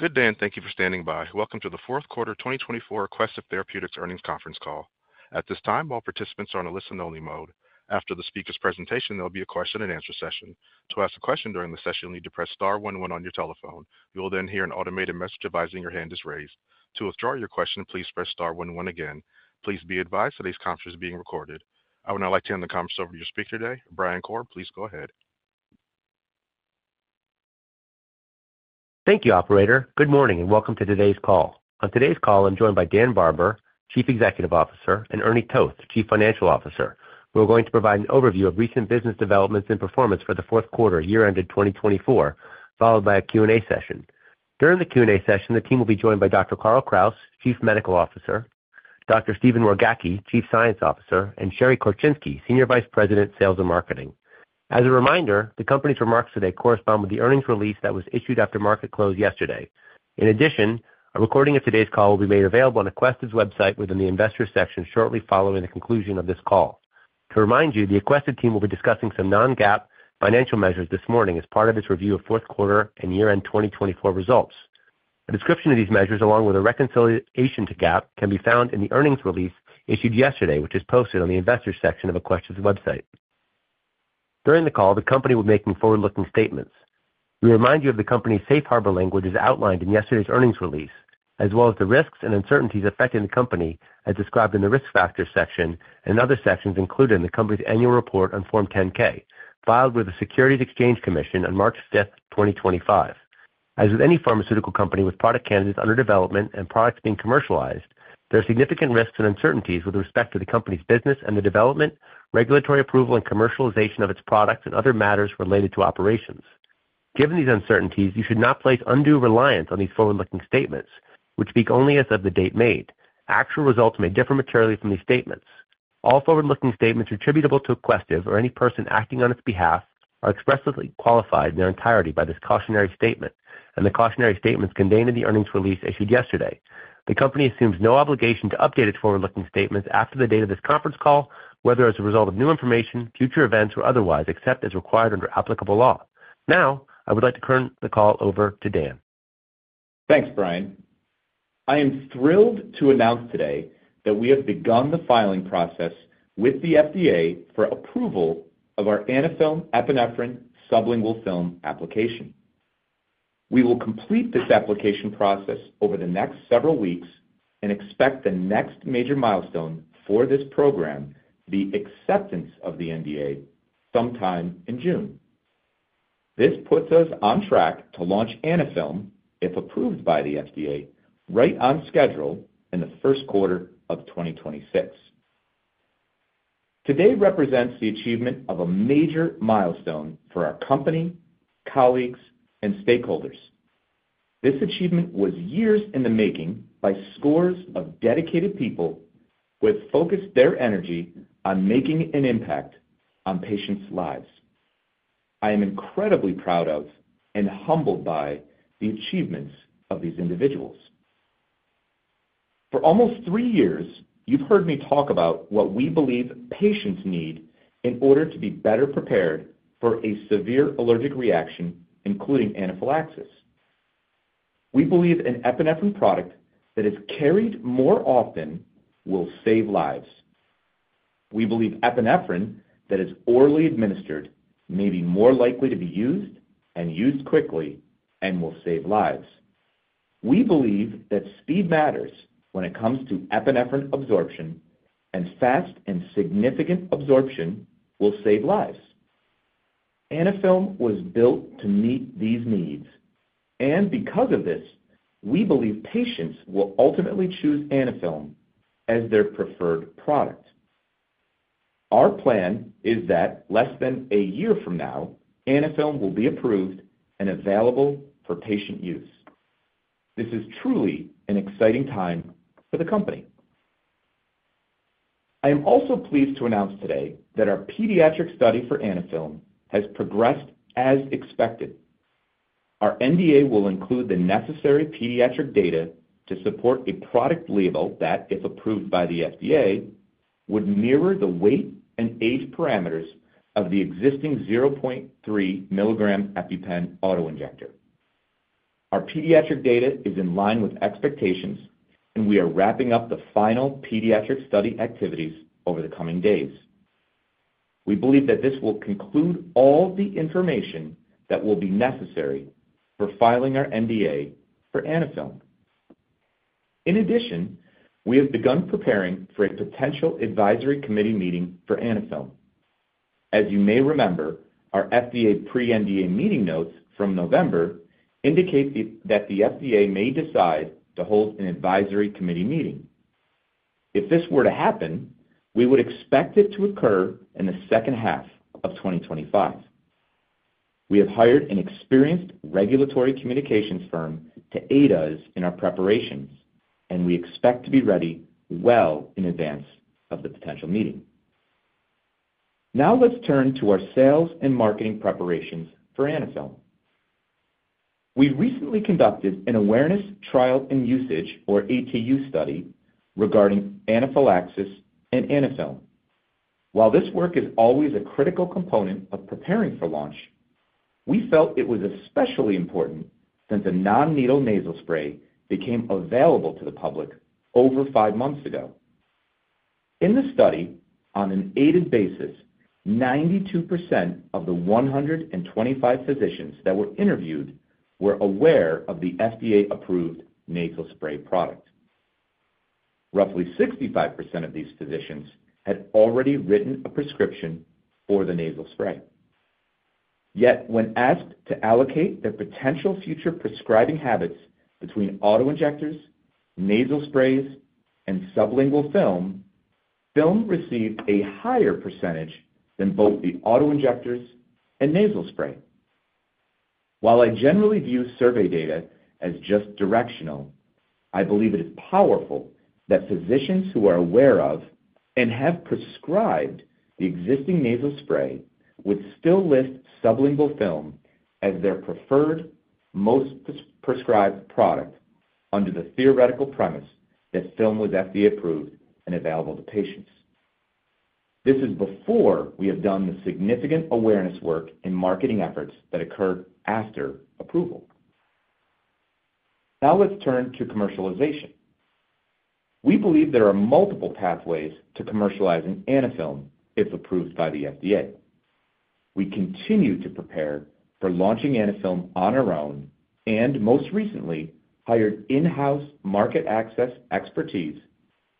Good day, and thank you for standing by. Welcome to the Fourth Quarter 2024 Aquestive Therapeutics Earnings Conference Call. At this time, all participants are on a listen-only mode. After the speaker's presentation, there'll be a question-and-answer session. To ask a question during the session, you'll need to press star one one on your telephone. You will then hear an automated message advising your hand is raised. To withdraw your question, please press star one one again. Please be advised today's conference is being recorded. I would now like to hand the conference over to your speaker today, Brian Korb. Please go ahead. Thank you, Operator. Good morning and welcome to today's call. On today's call, I'm joined by Dan Barber, Chief Executive Officer, and Ernie Toth, Chief Financial Officer. We're going to provide an overview of recent business developments and performance for the fourth quarter, year-ended 2024, followed by a Q&A session. During the Q&A session, the team will be joined by Dr. Carl Kraus, Chief Medical Officer; Dr. Stephen Wargacki, Chief Science Officer; and Sherry Korczynski, Senior Vice President, Sales and Marketing. As a reminder, the company's remarks today correspond with the earnings release that was issued after market close yesterday. In addition, a recording of today's call will be made available on Aquestive's website within the investors' section shortly following the conclusion of this call. To remind you, the Aquestive team will be discussing some non-GAAP financial measures this morning as part of its review of fourth quarter and year-end 2024 results. A description of these measures, along with a reconciliation to GAAP, can be found in the earnings release issued yesterday, which is posted on the investors' section of Aquestive's website. During the call, the company will be making forward-looking statements. We remind you of the company's safe harbor language as outlined in yesterday's earnings release, as well as the risks and uncertainties affecting the company as described in the risk factors section and other sections included in the company's annual report on Form 10-K, filed with the Securities Exchange Commission on March 5th, 2025. As with any pharmaceutical company with product candidates under development and products being commercialized, there are significant risks and uncertainties with respect to the company's business and the development, regulatory approval, and commercialization of its products and other matters related to operations. Given these uncertainties, you should not place undue reliance on these forward-looking statements, which speak only as of the date made. Actual results may differ materially from these statements. All forward-looking statements attributable to Aquestive or any person acting on its behalf are expressly qualified in their entirety by this cautionary statement and the cautionary statements contained in the earnings release issued yesterday. The company assumes no obligation to update its forward-looking statements after the date of this conference call, whether as a result of new information, future events, or otherwise, except as required under applicable law. Now, I would like to turn the call over to Dan. Thanks, Brian. I am thrilled to announce today that we have begun the filing process with the FDA for approval of our Anaphylm Epinephrine Sublingual Film application. We will complete this application process over the next several weeks and expect the next major milestone for this program, the acceptance of the NDA, sometime in June. This puts us on track to launch Anaphylm, if approved by the FDA, right on schedule in the first quarter of 2026. Today represents the achievement of a major milestone for our company, colleagues, and stakeholders. This achievement was years in the making by scores of dedicated people who have focused their energy on making an impact on patients' lives. I am incredibly proud of and humbled by the achievements of these individuals. For almost three years, you've heard me talk about what we believe patients need in order to be better prepared for a severe allergic reaction, including anaphylaxis. We believe an epinephrine product that is carried more often will save lives. We believe epinephrine that is orally administered may be more likely to be used and used quickly and will save lives. We believe that speed matters when it comes to epinephrine absorption, and fast and significant absorption will save lives. Anaphylm was built to meet these needs, and because of this, we believe patients will ultimately choose Anaphylm as their preferred product. Our plan is that less than a year from now, Anaphylm will be approved and available for patient use. This is truly an exciting time for the company. I am also pleased to announce today that our pediatric study for Anaphylm has progressed as expected. Our NDA will include the necessary pediatric data to support a product label that, if approved by the FDA, would mirror the weight and age parameters of the existing 0.3 milligram EpiPen auto-injector. Our pediatric data is in line with expectations, and we are wrapping up the final pediatric study activities over the coming days. We believe that this will conclude all the information that will be necessary for filing our NDA for Anaphylm. In addition, we have begun preparing for a potential advisory committee meeting for Anaphylm. As you may remember, our FDA pre-NDA meeting notes from November indicate that the FDA may decide to hold an advisory committee meeting. If this were to happen, we would expect it to occur in the second half of 2025. We have hired an experienced regulatory communications firm to aid us in our preparations, and we expect to be ready well in advance of the potential meeting. Now let's turn to our sales and marketing preparations for Anaphylm. We recently conducted an awareness trial and usage, or ATU, study regarding anaphylaxis and Anaphylm. While this work is always a critical component of preparing for launch, we felt it was especially important since a non-needle nasal spray became available to the public over five months ago. In the study, on an aided basis, 92% of the 125 physicians that were interviewed were aware of the FDA-approved nasal spray product. Roughly 65% of these physicians had already written a prescription for the nasal spray. Yet, when asked to allocate their potential future prescribing habits between autoinjectors, nasal sprays, and sublingual film, film received a higher % than both the autoinjectors and nasal spray. While I generally view survey data as just directional, I believe it is powerful that physicians who are aware of and have prescribed the existing nasal spray would still list sublingual film as their preferred, most prescribed product under the theoretical premise that film was FDA-approved and available to patients. This is before we have done the significant awareness work and marketing efforts that occur after approval. Now let's turn to commercialization. We believe there are multiple pathways to commercializing Anaphylm if approved by the FDA. We continue to prepare for launching Anaphylm on our own and, most recently, hired in-house market access expertise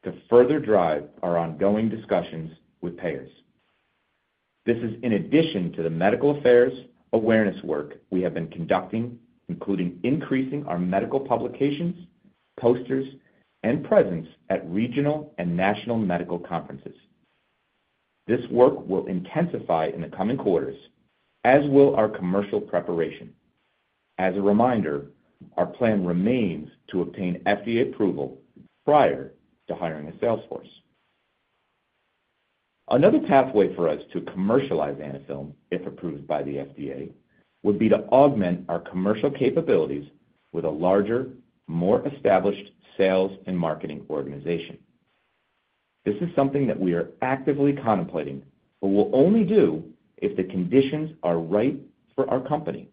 to further drive our ongoing discussions with payers. This is in addition to the medical affairs awareness work we have been conducting, including increasing our medical publications, posters, and presence at regional and national medical conferences. This work will intensify in the coming quarters, as will our commercial preparation. As a reminder, our plan remains to obtain FDA approval prior to hiring a sales force. Another pathway for us to commercialize Anaphylm, if approved by the FDA, would be to augment our commercial capabilities with a larger, more established sales and marketing organization. This is something that we are actively contemplating but will only do if the conditions are right for our company.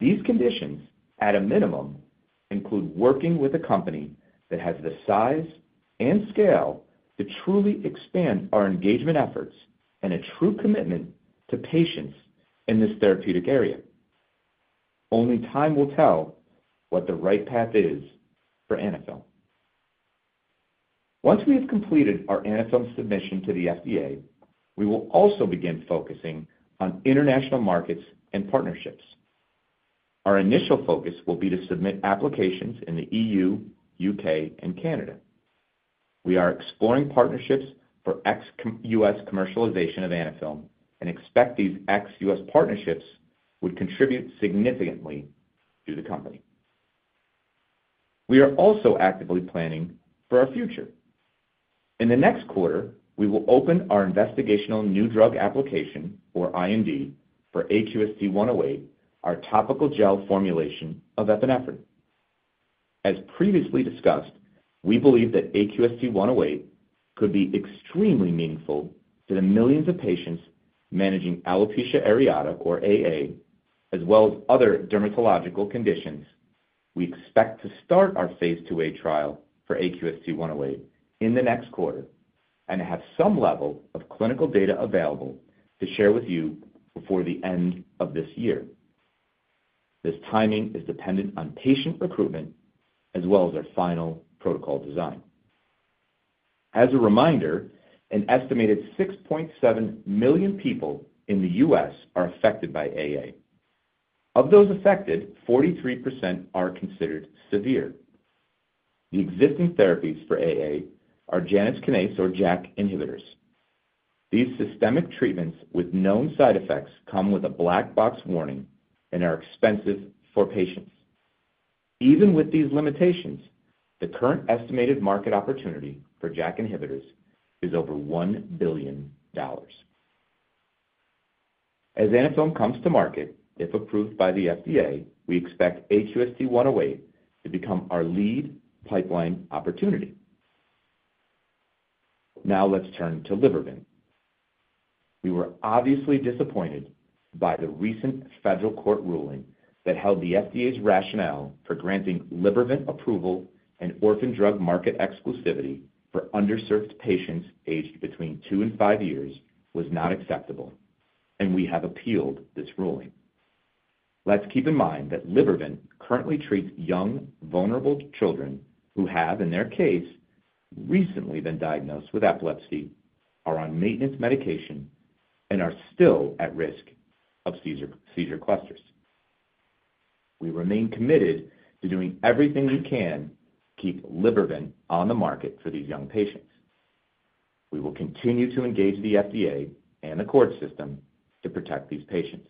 These conditions, at a minimum, include working with a company that has the size and scale to truly expand our engagement efforts and a true commitment to patients in this therapeutic area. Only time will tell what the right path is for Anaphylm. Once we have completed our Anaphylm submission to the FDA, we will also begin focusing on international markets and partnerships. Our initial focus will be to submit applications in the E.U., U.K., and Canada. We are exploring partnerships for ex-U.S. commercialization of Anaphylm and expect these ex-U.S. partnerships would contribute significantly to the company. We are also actively planning for our future. In the next quarter, we will open our investigational new drug application, or IND, for AQST-108, our topical gel formulation of epinephrine. As previously discussed, we believe that AQST-108 could be extremely meaningful to the millions of patients managing alopecia areata, or AA, as well as other dermatological conditions. We expect to start our phase II A trial for AQST-108 in the next quarter and have some level of clinical data available to share with you before the end of this year. This timing is dependent on patient recruitment as well as our final protocol design. As a reminder, an estimated 6.7 million people in the U.S. are affected by AA. Of those affected, 43% are considered severe. The existing therapies for AA are JAK inhibitors. These systemic treatments with known side effects come with a black box warning and are expensive for patients. Even with these limitations, the current estimated market opportunity for JAK inhibitors is over $1 billion. As Anaphylm comes to market, if approved by the FDA, we expect AQST-108 to become our lead pipeline opportunity. Now let's turn to Libervant. We were obviously disappointed by the recent federal court ruling that held the FDA's rationale for granting Libervant approval and orphan drug market exclusivity for underserved patients aged between two and five years was not acceptable, and we have appealed this ruling. Let's keep in mind that Libervant currently treats young, vulnerable children who have, in their case, recently been diagnosed with epilepsy, are on maintenance medication, and are still at risk of seizure clusters. We remain committed to doing everything we can to keep Libervant on the market for these young patients. We will continue to engage the FDA and the court system to protect these patients.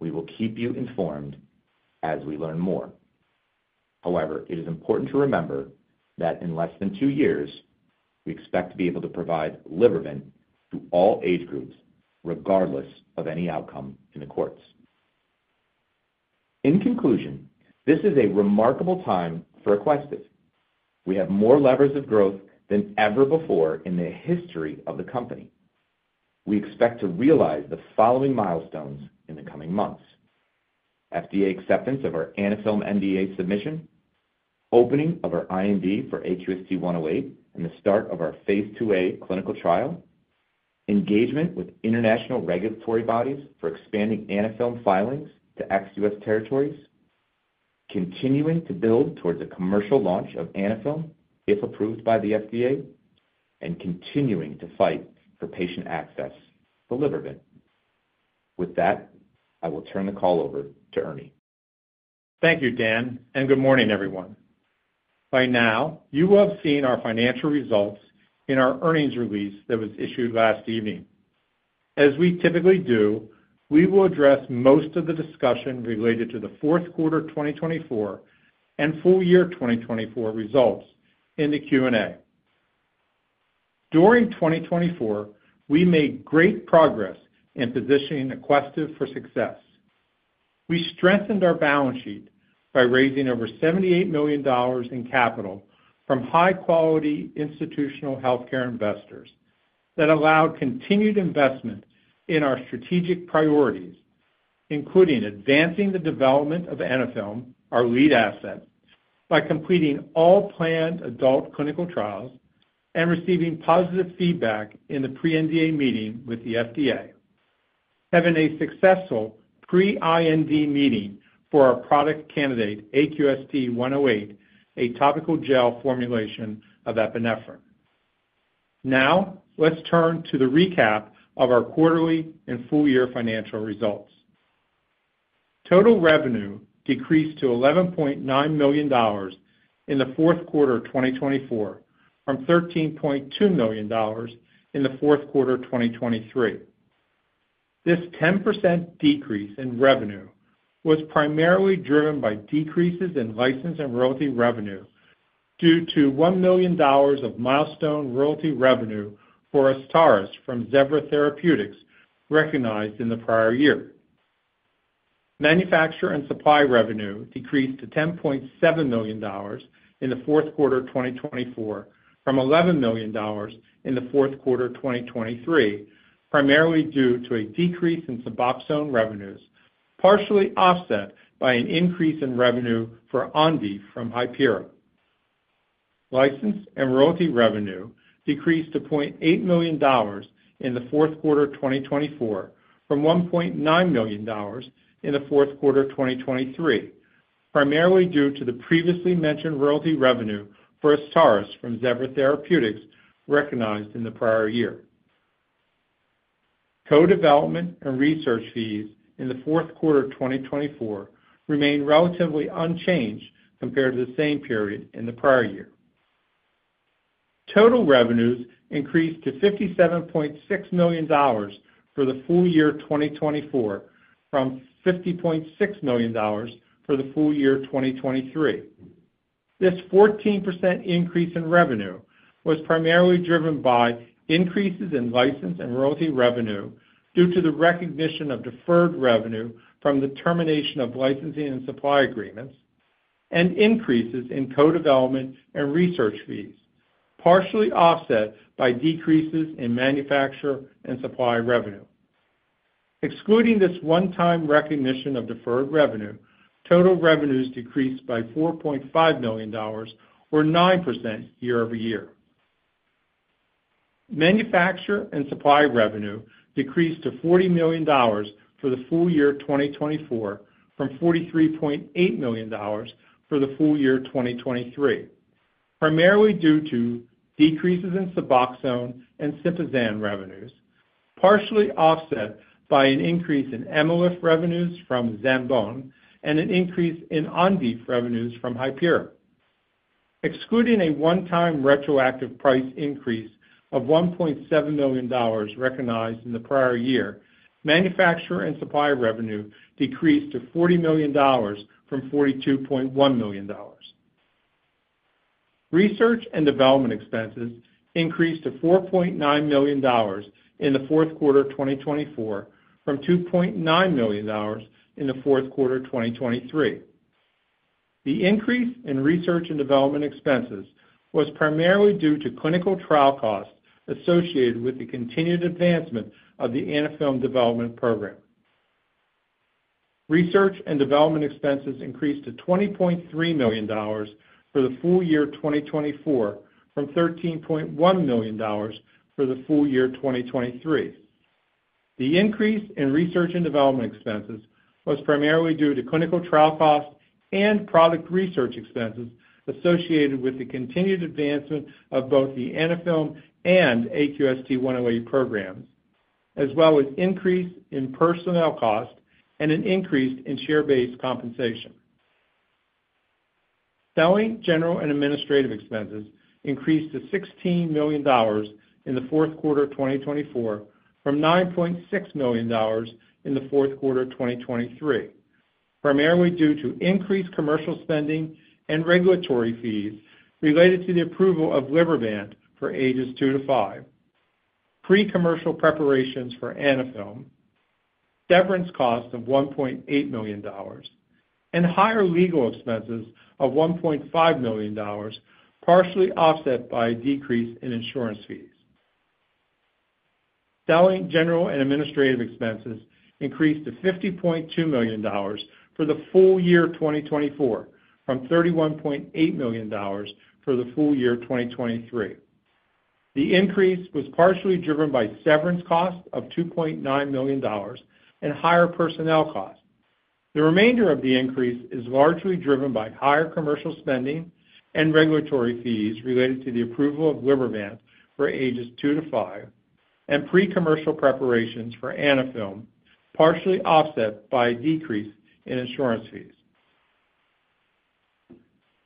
We will keep you informed as we learn more. However, it is important to remember that in less than two years, we expect to be able to provide Libervant to all age groups, regardless of any outcome in the courts. In conclusion, this is a remarkable time for Aquestive. We have more levers of growth than ever before in the history of the company. We expect to realize the following milestones in the coming months: FDA acceptance of our Anaphylm NDA submission, opening of our IND for AQST-108, and the start of our phase two a clinical trial, engagement with international regulatory bodies for expanding Anaphylm filings to ex-U.S. territories, continuing to build towards a commercial launch of Anaphylm if approved by the FDA, and continuing to fight for patient access for Libervant. With that, I will turn the call over to Ernie. Thank you, Dan, and good morning, everyone. By now, you have seen our financial results in our earnings release that was issued last evening. As we typically do, we will address most of the discussion related to the fourth quarter 2024 and full year 2024 results in the Q&A. During 2024, we made great progress in positioning Aquestive for success. We strengthened our balance sheet by raising over $78 million in capital from high-quality institutional healthcare investors that allowed continued investment in our strategic priorities, including advancing the development of Anaphylm, our lead asset, by completing all planned adult clinical trials and receiving positive feedback in the pre-NDA meeting with the FDA, having a successful pre-IND meeting for our product candidate AQST-108, a topical gel formulation of epinephrine. Now let's turn to the recap of our quarterly and full year financial results. Total revenue decreased to $11.9 million in the fourth quarter 2024 from $13.2 million in the fourth quarter 2023. This 10% decrease in revenue was primarily driven by decreases in license and royalty revenue due to $1 million of milestone royalty revenue for AZSTARYS from Zevra Therapeutics recognized in the prior year. Manufacturer and supply revenue decreased to $10.7 million in the fourth quarter 2024 from $11 million in the fourth quarter 2023, primarily due to a decrease in Suboxone revenues, partially offset by an increase in revenue for Ondif from Hypera. License and royalty revenue decreased to $0.8 million in the fourth quarter 2024 from $1.9 million in the fourth quarter 2023, primarily due to the previously mentioned royalty revenue for AZSTARYS from Zevra Therapeutics recognized in the prior year. Co-development and research fees in the fourth quarter 2024 remain relatively unchanged compared to the same period in the prior year. Total revenues increased to $57.6 million for the full year 2024 from $50.6 million for the full year 2023. This 14% increase in revenue was primarily driven by increases in license and royalty revenue due to the recognition of deferred revenue from the termination of licensing and supply agreements and increases in co-development and research fees, partially offset by decreases in manufacturer and supply revenue. Excluding this one-time recognition of deferred revenue, total revenues decreased by $4.5 million, or 9% year over year. Manufacturer and supply revenue decreased to $40 million for the full year 2024 from $43.8 million for the full year 2023, primarily due to decreases in Suboxone and Sympazan revenues, partially offset by an increase in Emylif revenues from Zambon and an increase in Ondif revenues from Hypera. Excluding a one-time retroactive price increase of $1.7 million recognized in the prior year, manufacturer and supply revenue decreased to $40 million from $42.1 million. Research and development expenses increased to $4.9 million in the fourth quarter 2024 from $2.9 million in the fourth quarter 2023. The increase in research and development expenses was primarily due to clinical trial costs associated with the continued advancement of the Anaphylm development program. Research and development expenses increased to $20.3 million for the full year 2024 from $13.1 million for the full year 2023. The increase in research and development expenses was primarily due to clinical trial costs and product research expenses associated with the continued advancement of both the Anaphylm and AQST-108 programs, as well as an increase in personnel costs and an increase in share-based compensation. Selling, general and administrative expenses increased to $16 million in the fourth quarter 2024 from $9.6 million in the fourth quarter 2023, primarily due to increased commercial spending and regulatory fees related to the approval of Libervant for ages two to five, pre-commercial preparations for Anaphylm, severance cost of $1.8 million, and higher legal expenses of $1.5 million, partially offset by a decrease in insurance fees. Selling, general and administrative expenses increased to $50.2 million for the full year 2024 from $31.8 million for the full year 2023. The increase was partially driven by severance cost of $2.9 million and higher personnel costs. The remainder of the increase is largely driven by higher commercial spending and regulatory fees related to the approval of Libervant for ages two to five and pre-commercial preparations for Anaphylm, partially offset by a decrease in insurance fees.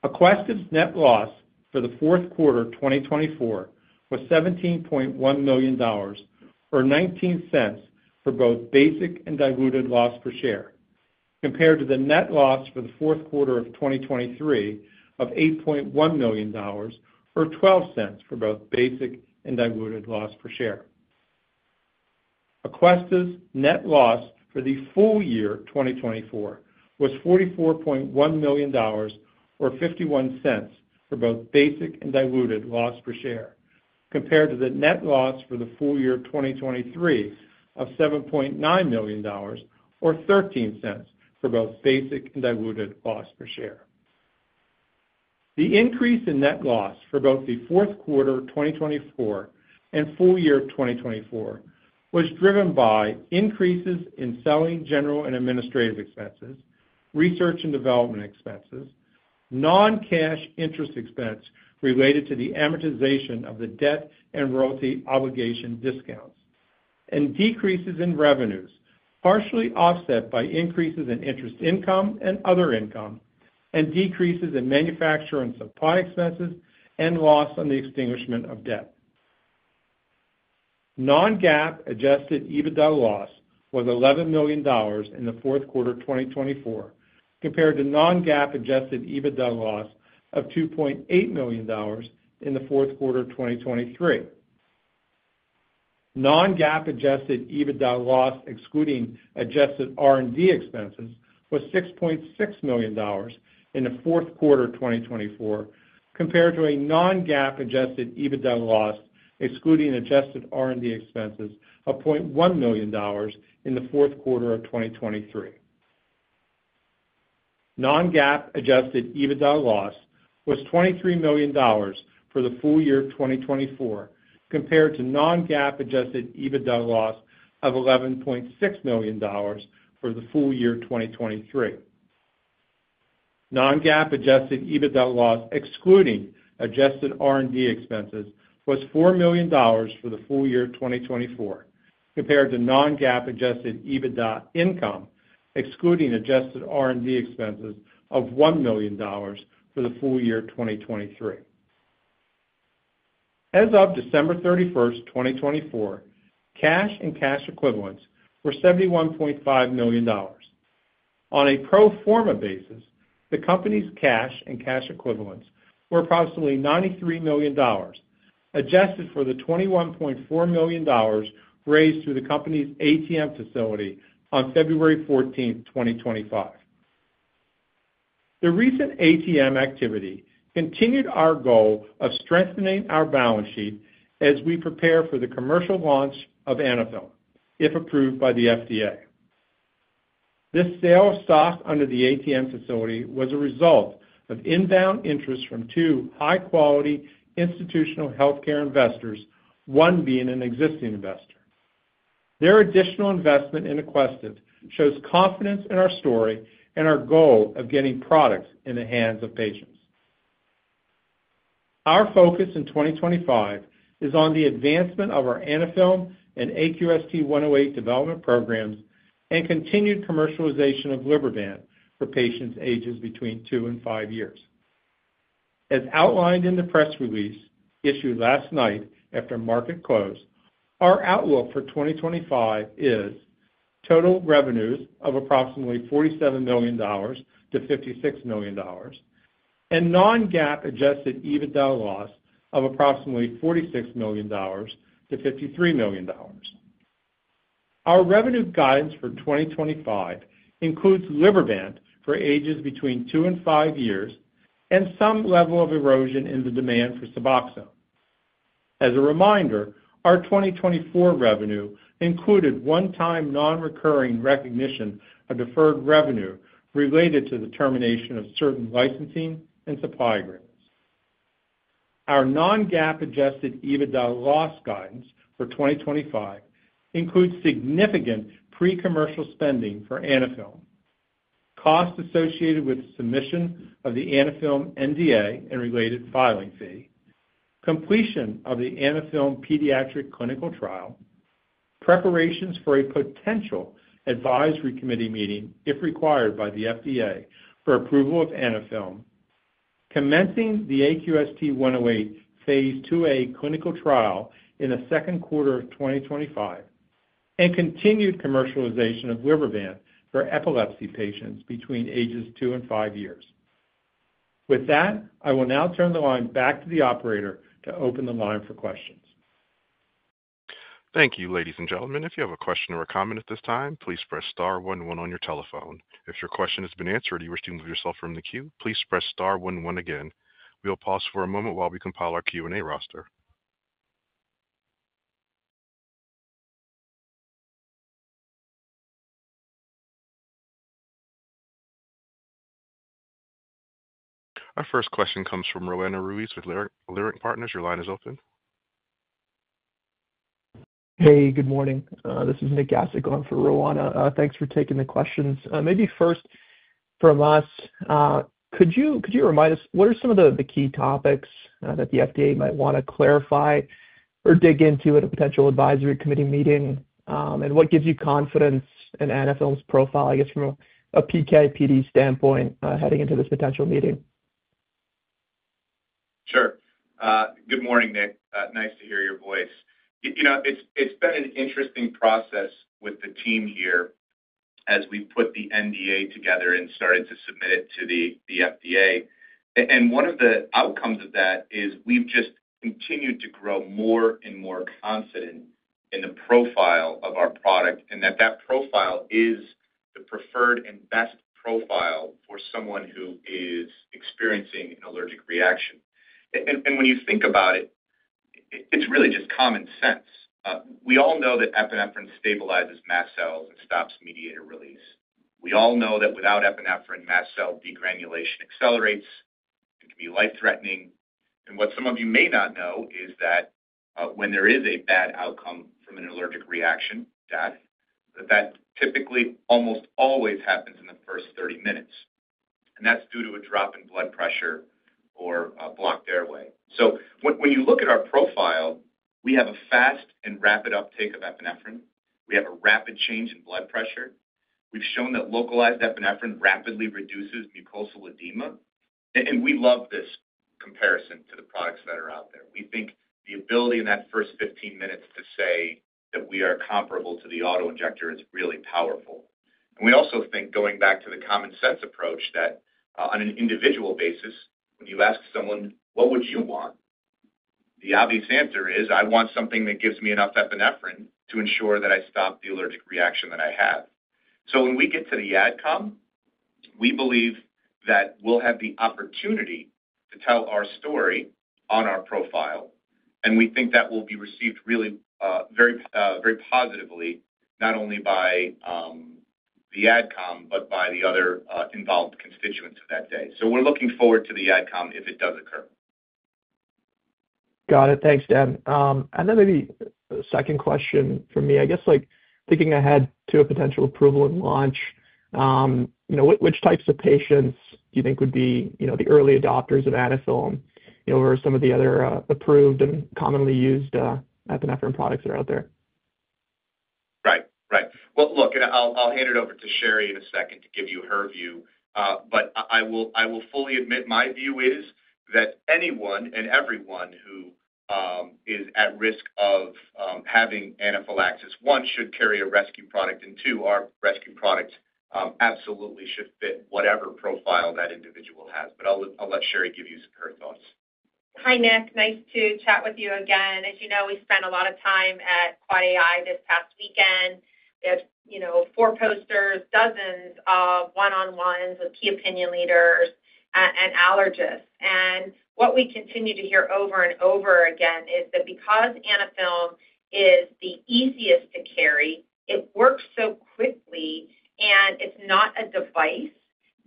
Aquestive's net loss for the fourth quarter 2024 was $17.1 million, or $0.19 for both basic and diluted loss per share, compared to the net loss for the fourth quarter of 2023 of $8.1 million, or $0.12 for both basic and diluted loss per share. Aquestive's net loss for the full year 2024 was $44.1 million, or $0.51 for both basic and diluted loss per share, compared to the net loss for the full year 2023 of $7.9 million, or $0.13 for both basic and diluted loss per share. The increase in net loss for both the fourth quarter 2024 and full year 2024 was driven by increases in selling, general and administrative expenses, research and development expenses, non-cash interest expense related to the amortization of the debt and royalty obligation discounts, and decreases in revenues, partially offset by increases in interest income and other income, and decreases in manufacturer and supply expenses and loss on the extinguishment of debt. Non-GAAP adjusted EBITDA loss was $11 million in the fourth quarter 2024, compared to non-GAAP adjusted EBITDA loss of $2.8 million in the fourth quarter 2023. Non-GAAP adjusted EBITDA loss, excluding adjusted R&D expenses, was $6.6 million in the fourth quarter 2024, compared to a non-GAAP adjusted EBITDA loss, excluding adjusted R&D expenses, of $0.1 million in the fourth quarter of 2023. Non-GAAP adjusted EBITDA loss was $23 million for the full year 2024, compared to non-GAAP adjusted EBITDA loss of $11.6 million for the full year 2023. Non-GAAP adjusted EBITDA loss, excluding adjusted R&D expenses, was $4 million for the full year 2024, compared to non-GAAP adjusted EBITDA income, excluding adjusted R&D expenses of $1 million for the full year 2023. As of December 31st, 2024, cash and cash equivalents were $71.5 million. On a pro forma basis, the company's cash and cash equivalents were approximately $93 million, adjusted for the $21.4 million raised through the company's ATM facility on February 14th, 2025. The recent ATM activity continued our goal of strengthening our balance sheet as we prepare for the commercial launch of Anaphylm, if approved by the FDA. This sale of stock under the ATM facility was a result of inbound interest from two high-quality institutional healthcare investors, one being an existing investor. Their additional investment in Aquestive shows confidence in our story and our goal of getting products in the hands of patients. Our focus in 2025 is on the advancement of our Anaphylm and AQST-108 development programs and continued commercialization of Libervant for patients ages between two and five years. As outlined in the press release issued last night after market close, our outlook for 2025 is total revenues of approximately $47 million-$56 million, and non-GAAP adjusted EBITDA loss of approximately $46 million-$53 million. Our revenue guidance for 2025 includes Libervant for ages between two and five years and some level of erosion in the demand for Suboxone. As a reminder, our 2024 revenue included one-time non-recurring recognition of deferred revenue related to the termination of certain licensing and supply agreements. Our non-GAAP adjusted EBITDA loss guidance for 2025 includes significant pre-commercial spending for Anaphylm, costs associated with submission of the Anaphylm NDA and related filing fee, completion of the Anaphylm pediatric clinical trial, preparations for a potential advisory committee meeting, if required by the FDA, for approval of Anaphylm, commencing the AQST-108 phase II-A clinical trial in the second quarter of 2025, and continued commercialization of Libervant for epilepsy patients between ages two and five years. With that, I will now turn the line back to the operator to open the line for questions. Thank you, ladies and gentlemen. If you have a question or a comment at this time, please press star one one on your telephone. If your question has been answered or you wish to move yourself from the queue, please press star one one again. We will pause for a moment while we compile our Q&A roster. Our first question comes from Roanna Ruiz with Leerink Partners. Your line is open. Hey, good morning. This is Nik Gasic for Roanna. Thanks for taking the questions. Maybe first from us, could you remind us, what are some of the key topics that the FDA might want to clarify or dig into at a potential Advisory Committee Meeting, and what gives you confidence in Anaphylm's profile, I guess, from a PK/PD standpoint heading into this potential meeting? Sure. Good morning, Nik. Nice to hear your voice. It's been an interesting process with the team here as we've put the NDA together and started to submit it to the FDA. One of the outcomes of that is we've just continued to grow more and more confident in the profile of our product and that that profile is the preferred and best profile for someone who is experiencing an allergic reaction. When you think about it, it's really just common sense. We all know that epinephrine stabilizes mast cells and stops mediator release. We all know that without epinephrine, mast cell degranulation accelerates and can be life-threatening. What some of you may not know is that when there is a bad outcome from an allergic reaction, that typically almost always happens in the first 30 minutes. That's due to a drop in blood pressure or a blocked airway. When you look at our profile, we have a fast and rapid uptake of epinephrine. We have a rapid change in blood pressure. We've shown that localized epinephrine rapidly reduces mucosal edema. We love this comparison to the products that are out there. We think the ability in that first 15 minutes to say that we are comparable to the auto injector is really powerful. We also think, going back to the common sense approach, that on an individual basis, when you ask someone, "What would you want?" the obvious answer is, "I want something that gives me enough epinephrine to ensure that I stop the allergic reaction that I have." When we get to the AdCom, we believe that we'll have the opportunity to tell our story on our profile. We think that will be received really very positively, not only by the AdCom, but by the other involved constituents of that day. We are looking forward to the AdCom if it does occur. Got it. Thanks, Dan. Maybe a second question for me. I guess, thinking ahead to a potential approval and launch, which types of patients do you think would be the early adopters of Anaphylm over some of the other approved and commonly used epinephrine products that are out there? Right. Right. Look, I'll hand it over to Sherry in a second to give you her view. I will fully admit my view is that anyone and everyone who is at risk of having anaphylaxis, one, should carry a rescue product, and two, our rescue products absolutely should fit whatever profile that individual has. I'll let Sherry give you her thoughts. Hi, Nik. Nice to chat with you again. As you know, we spent a lot of time at Quad AI this past weekend. We had four posters, dozens of one-on-ones with key opinion leaders and allergists. What we continue to hear over and over again is that because Anaphylm is the easiest to carry, it works so quickly, and it's not a device,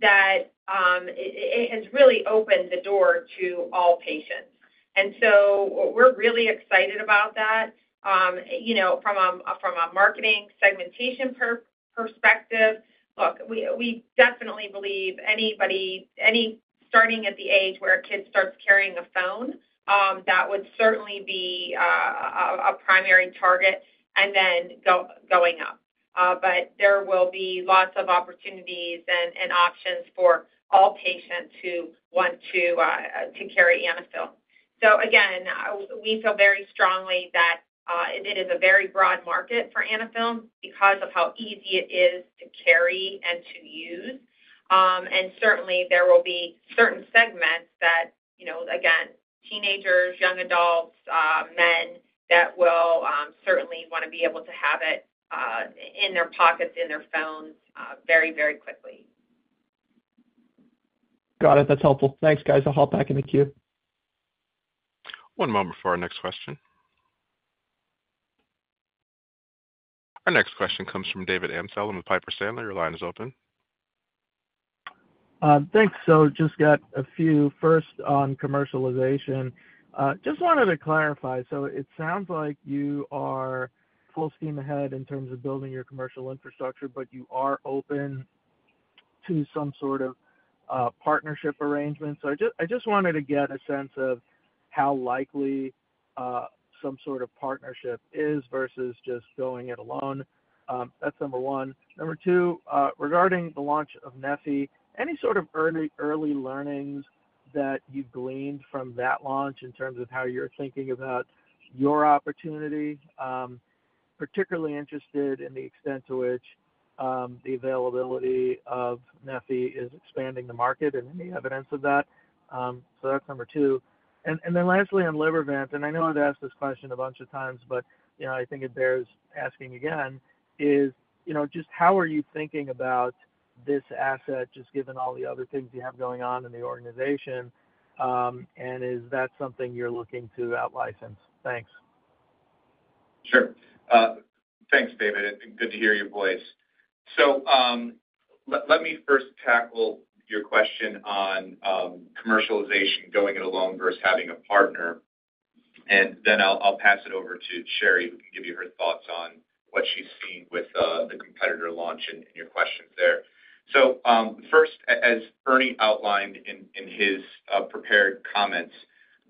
that has really opened the door to all patients. We are really excited about that. From a marketing segmentation perspective, look, we definitely believe anybody starting at the age where a kid starts carrying a phone, that would certainly be a primary target, and then going up. There will be lots of opportunities and options for all patients who want to carry Anaphylm. We feel very strongly that it is a very broad market for Anaphylm because of how easy it is to carry and to use. Certainly, there will be certain segments that, again, teenagers, young adults, men that will certainly want to be able to have it in their pockets, in their phones very, very quickly. Got it. That's helpful. Thanks, guys. I'll hop back in the queue. One moment for our next question. Our next question comes from David Amsellem on the Piper Sandler. Your line is open. Thanks. Just got a few first on commercialization. Just wanted to clarify. It sounds like you are full steam ahead in terms of building your commercial infrastructure, but you are open to some sort of partnership arrangements. I just wanted to get a sense of how likely some sort of partnership is versus just going it alone. That's number one. Number two, regarding the launch of neffy, any sort of early learnings that you've gleaned from that launch in terms of how you're thinking about your opportunity? Particularly interested in the extent to which the availability of neffy is expanding the market and any evidence of that. That is number two. Lastly, on Libervant, and I know I've asked this question a bunch of times, but I think it bears asking again, is just how are you thinking about this asset, just given all the other things you have going on in the organization? Is that something you're looking to out license? Thanks. Sure. Thanks, David. Good to hear your voice. Let me first tackle your question on commercialization going it alone versus having a partner. I'll pass it over to Sherry, who can give you her thoughts on what she's seen with the competitor launch and your questions there. First, as Ernie outlined in his prepared comments,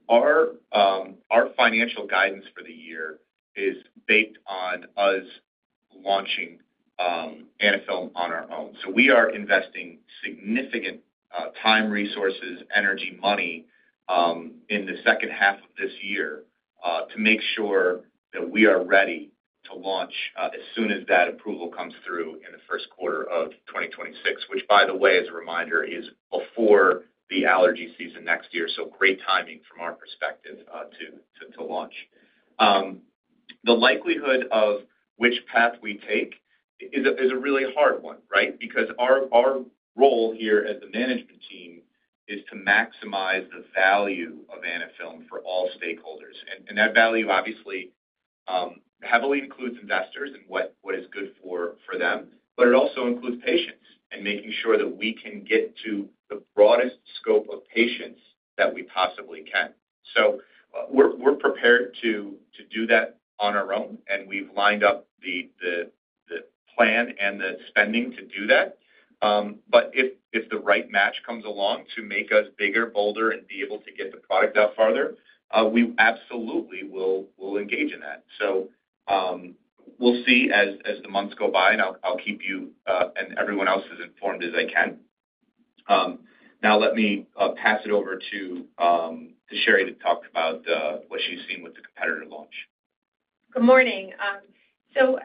our financial guidance for the year is based on us launching Anaphylm on our own. We are investing significant time, resources, energy, and money in the second half of this year to make sure that we are ready to launch as soon as that approval comes through in the first quarter of 2026, which, by the way, as a reminder, is before the allergy season next year. Great timing from our perspective to launch. The likelihood of which path we take is a really hard one, right? Because our role here as the management team is to maximize the value of Anaphylm for all stakeholders. That value, obviously, heavily includes investors and what is good for them, but it also includes patients and making sure that we can get to the broadest scope of patients that we possibly can. We are prepared to do that on our own, and we have lined up the plan and the spending to do that. If the right match comes along to make us bigger, bolder, and be able to get the product out farther, we absolutely will engage in that. We will see as the months go by, and I will keep you and everyone else as informed as I can. Now, let me pass it over to Sherry to talk about what she has seen with the competitor launch. Good morning.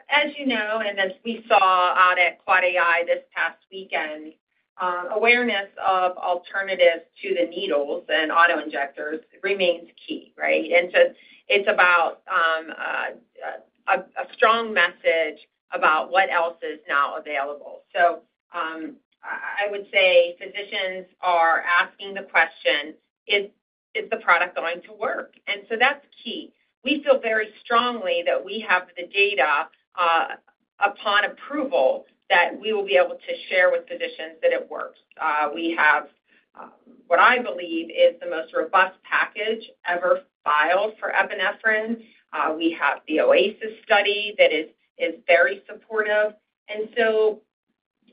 As you know, and as we saw out at Quad AI this past weekend, awareness of alternatives to the needles and auto injectors remains key, right? It is about a strong message about what else is now available. I would say physicians are asking the question, "Is the product going to work?" That is key. We feel very strongly that we have the data upon approval that we will be able to share with physicians that it works. We have what I believe is the most robust package ever filed for epinephrine. We have the OASIS study that is very supportive.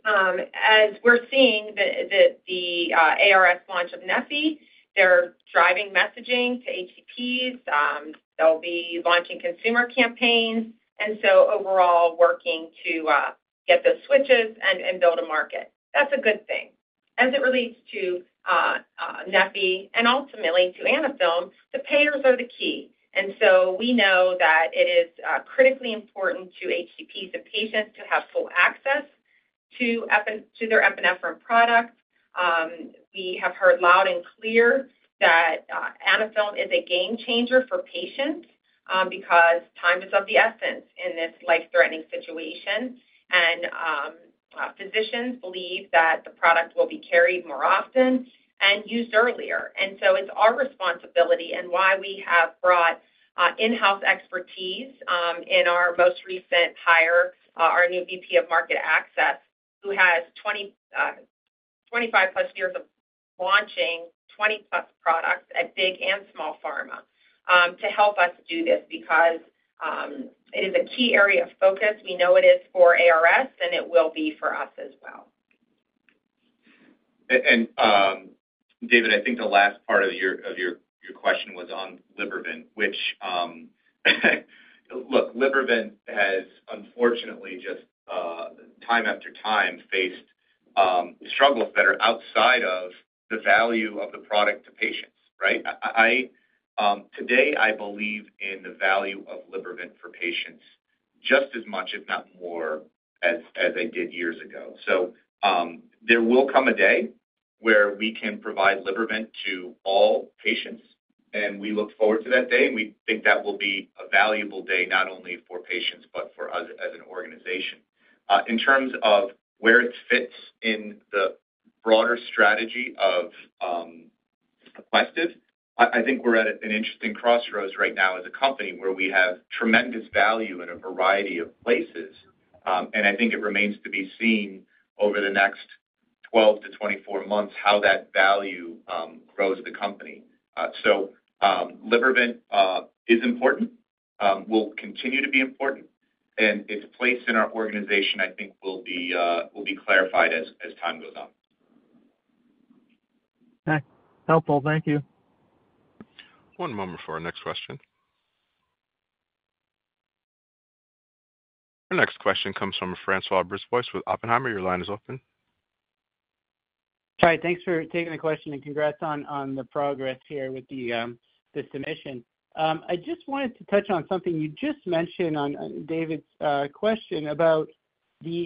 As we are seeing the ARS launch of neffy, they are driving messaging to HCPs. They will be launching consumer campaigns. Overall, working to get the switches and build a market. That is a good thing. As it relates to neffy and ultimately to Anaphylm, the payers are the key. We know that it is critically important to HCPs and patients to have full access to their epinephrine product. We have heard loud and clear that Anaphylm is a game changer for patients because time is of the essence in this life-threatening situation. Physicians believe that the product will be carried more often and used earlier. It is our responsibility and why we have brought in-house expertise in our most recent hire, our new VP of Market Access, who has 25+ years of launching 20+ products at big and small pharma to help us do this because it is a key area of focus. We know it is for ARS, and it will be for us as well. David, I think the last part of your question was on Libervant, which, look, Libervant has, unfortunately, just time after time faced struggles that are outside of the value of the product to patients, right? Today, I believe in the value of Libervant for patients just as much, if not more, as I did years ago. There will come a day where we can provide Libervant to all patients. We look forward to that day. We think that will be a valuable day not only for patients but for us as an organization. In terms of where it fits in the broader strategy of Aquestive, I think we're at an interesting crossroads right now as a company where we have tremendous value in a variety of places. I think it remains to be seen over the next 12-24 months how that value grows the company. Libervant is important. It will continue to be important. Its place in our organization, I think, will be clarified as time goes on. Okay. Helpful. Thank you. One moment for our next question. Our next question comes from François Brisebois with Oppenheimer. Your line is open. Hi. Thanks for taking the question and congrats on the progress here with the submission. I just wanted to touch on something you just mentioned on David's question about the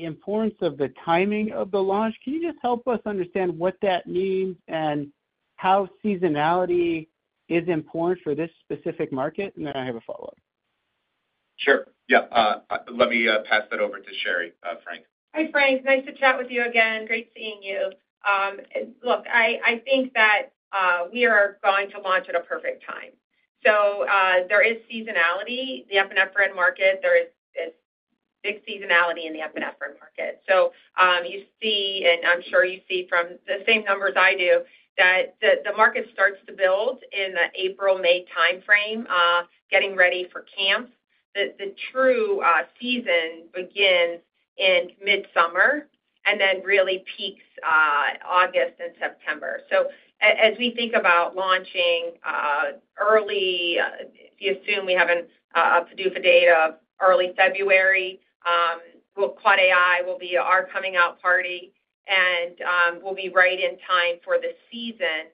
importance of the timing of the launch. Can you just help us understand what that means and how seasonality is important for this specific market? I have a follow-up. Sure. Yeah. Let me pass that over to Sherry, Franç. Hi, Franç. Nice to chat with you again. Great seeing you. Look, I think that we are going to launch at a perfect time. There is seasonality. The epinephrine market, there is big seasonality in the epinephrine market. You see, and I'm sure you see from the same numbers I do, that the market starts to build in the April, May timeframe, getting ready for camp. The true season begins in mid-summer and then really peaks August and September. As we think about launching early, you assume we have a PDUFA date of early February. Quad AI will be our coming out party. We'll be right in time for the season.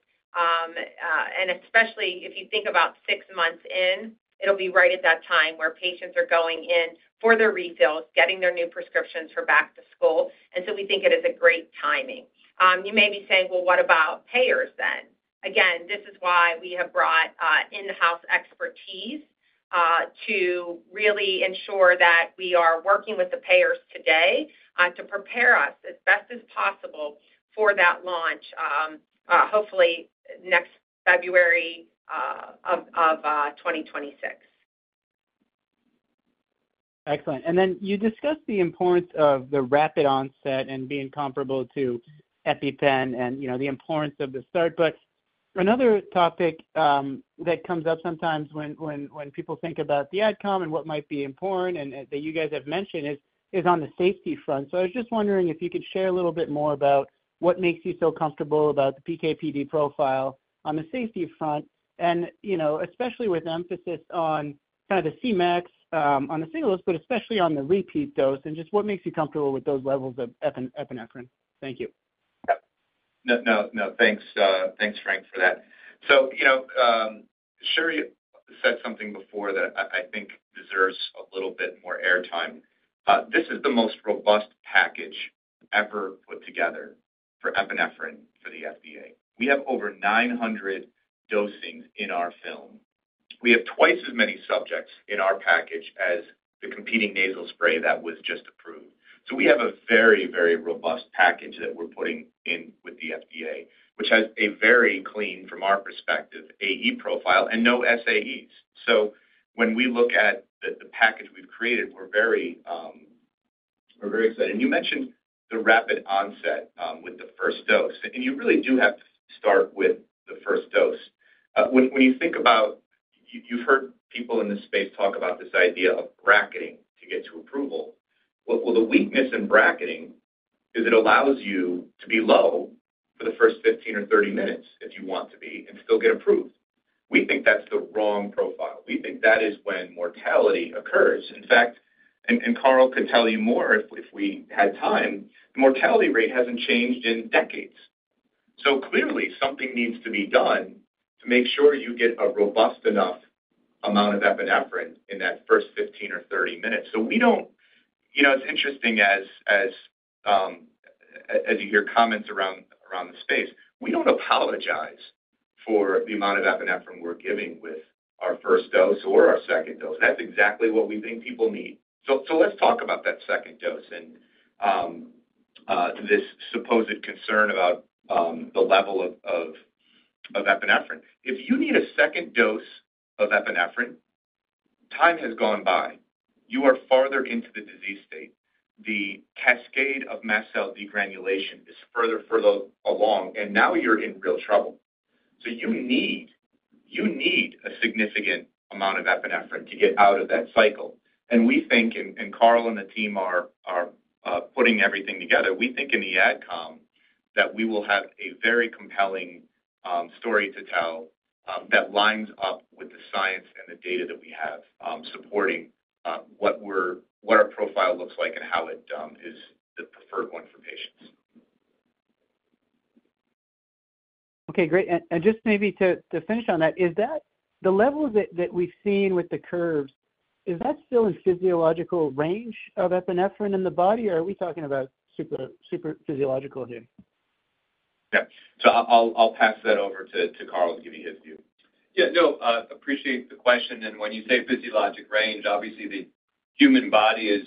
Especially if you think about six months in, it'll be right at that time where patients are going in for their refills, getting their new prescriptions for back to school. We think it is great timing. You may be saying, "Well, what about payers then?" Again, this is why we have brought in-house expertise to really ensure that we are working with the payers today to prepare us as best as possible for that launch, hopefully next February of 2026. Excellent. You discussed the importance of the rapid onset and being comparable to EpiPen and the importance of the start. Another topic that comes up sometimes when people think about the AdCom and what might be important and that you guys have mentioned is on the safety front. I was just wondering if you could share a little bit more about what makes you so comfortable about the PK/PD profile on the safety front, and especially with emphasis on kind of the Cmax on the single dose, but especially on the repeat dose, and just what makes you comfortable with those levels of epinephrine. Thank you. Yeah. No, no, thanks. Thanks, Franç, for that. Sherry said something before that I think deserves a little bit more airtime. This is the most robust package ever put together for epinephrine for the FDA. We have over 900 dosings in our film. We have twice as many subjects in our package as the competing nasal spray that was just approved. We have a very, very robust package that we're putting in with the FDA, which has a very clean, from our perspective, AE profile and no SAEs. When we look at the package we've created, we're very excited. You mentioned the rapid onset with the first dose. You really do have to start with the first dose. When you think about it, you've heard people in this space talk about this idea of bracketing to get to approval. The weakness in bracketing is it allows you to be low for the first 15 or 30 minutes if you want to be and still get approved. We think that's the wrong profile. We think that is when mortality occurs. In fact, and Carl could tell you more if we had time, the mortality rate hasn't changed in decades. Clearly, something needs to be done to make sure you get a robust enough amount of epinephrine in that first 15 or 30 minutes. It's interesting as you hear comments around the space. We do not apologize for the amount of epinephrine we are giving with our first dose or our second dose. That is exactly what we think people need. Let us talk about that second dose and this supposed concern about the level of epinephrine. If you need a second dose of epinephrine, time has gone by. You are farther into the disease state. The cascade of mast cell degranulation is further along. Now you are in real trouble. You need a significant amount of epinephrine to get out of that cycle. We think, and Carl and the team are putting everything together, we think in the AdCom that we will have a very compelling story to tell that lines up with the science and the data that we have supporting what our profile looks like and how it is the preferred one for patients. Okay. Great. Just maybe to finish on that, is that the level that we've seen with the curves, is that still in physiological range of epinephrine in the body, or are we talking about super physiological here? Yeah. I'll pass that over to Carl to give you his view. Yeah. No, appreciate the question. When you say physiologic range, obviously, the human body is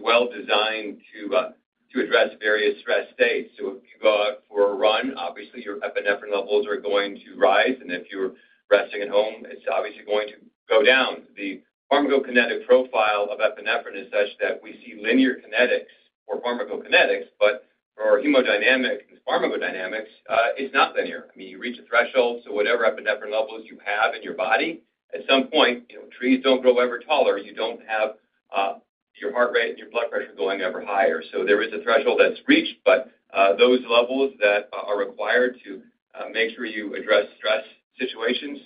well designed to address various stress states. If you go out for a run, obviously, your epinephrine levels are going to rise. If you're resting at home, it's obviously going to go down. The pharmacokinetic profile of epinephrine is such that we see linear kinetics or pharmacokinetics, but for our hemodynamic and pharmacodynamics, it's not linear. I mean, you reach a threshold. Whatever epinephrine levels you have in your body, at some point, trees don't grow ever taller. You don't have your heart rate and your blood pressure going ever higher. There is a threshold that's reached, but those levels that are required to make sure you address stress situations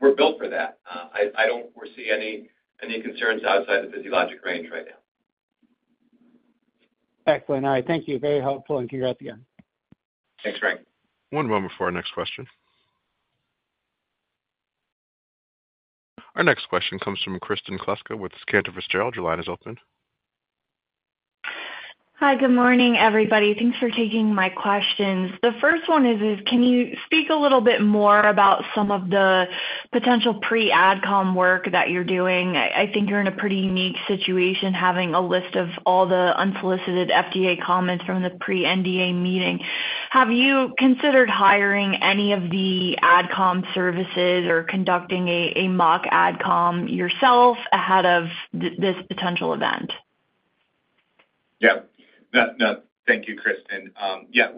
were built for that. I don't foresee any concerns outside the physiologic range right now. Excellent. All right. Thank you. Very helpful. And congrats again. Thanks, Franç. One moment for our next question. Our next question comes from Kristen Kluska with Cantor Fitzgerald. Your line is open. Hi. Good morning, everybody. Thanks for taking my questions. The first one is, can you speak a little bit more about some of the potential pre-AdCom work that you're doing? I think you're in a pretty unique situation having a list of all the unsolicited FDA comments from the pre-NDA meeting. Have you considered hiring any of the AdCom services or conducting a mock AdCom yourself ahead of this potential event? Yeah. No. Thank you, Kristen. Yeah.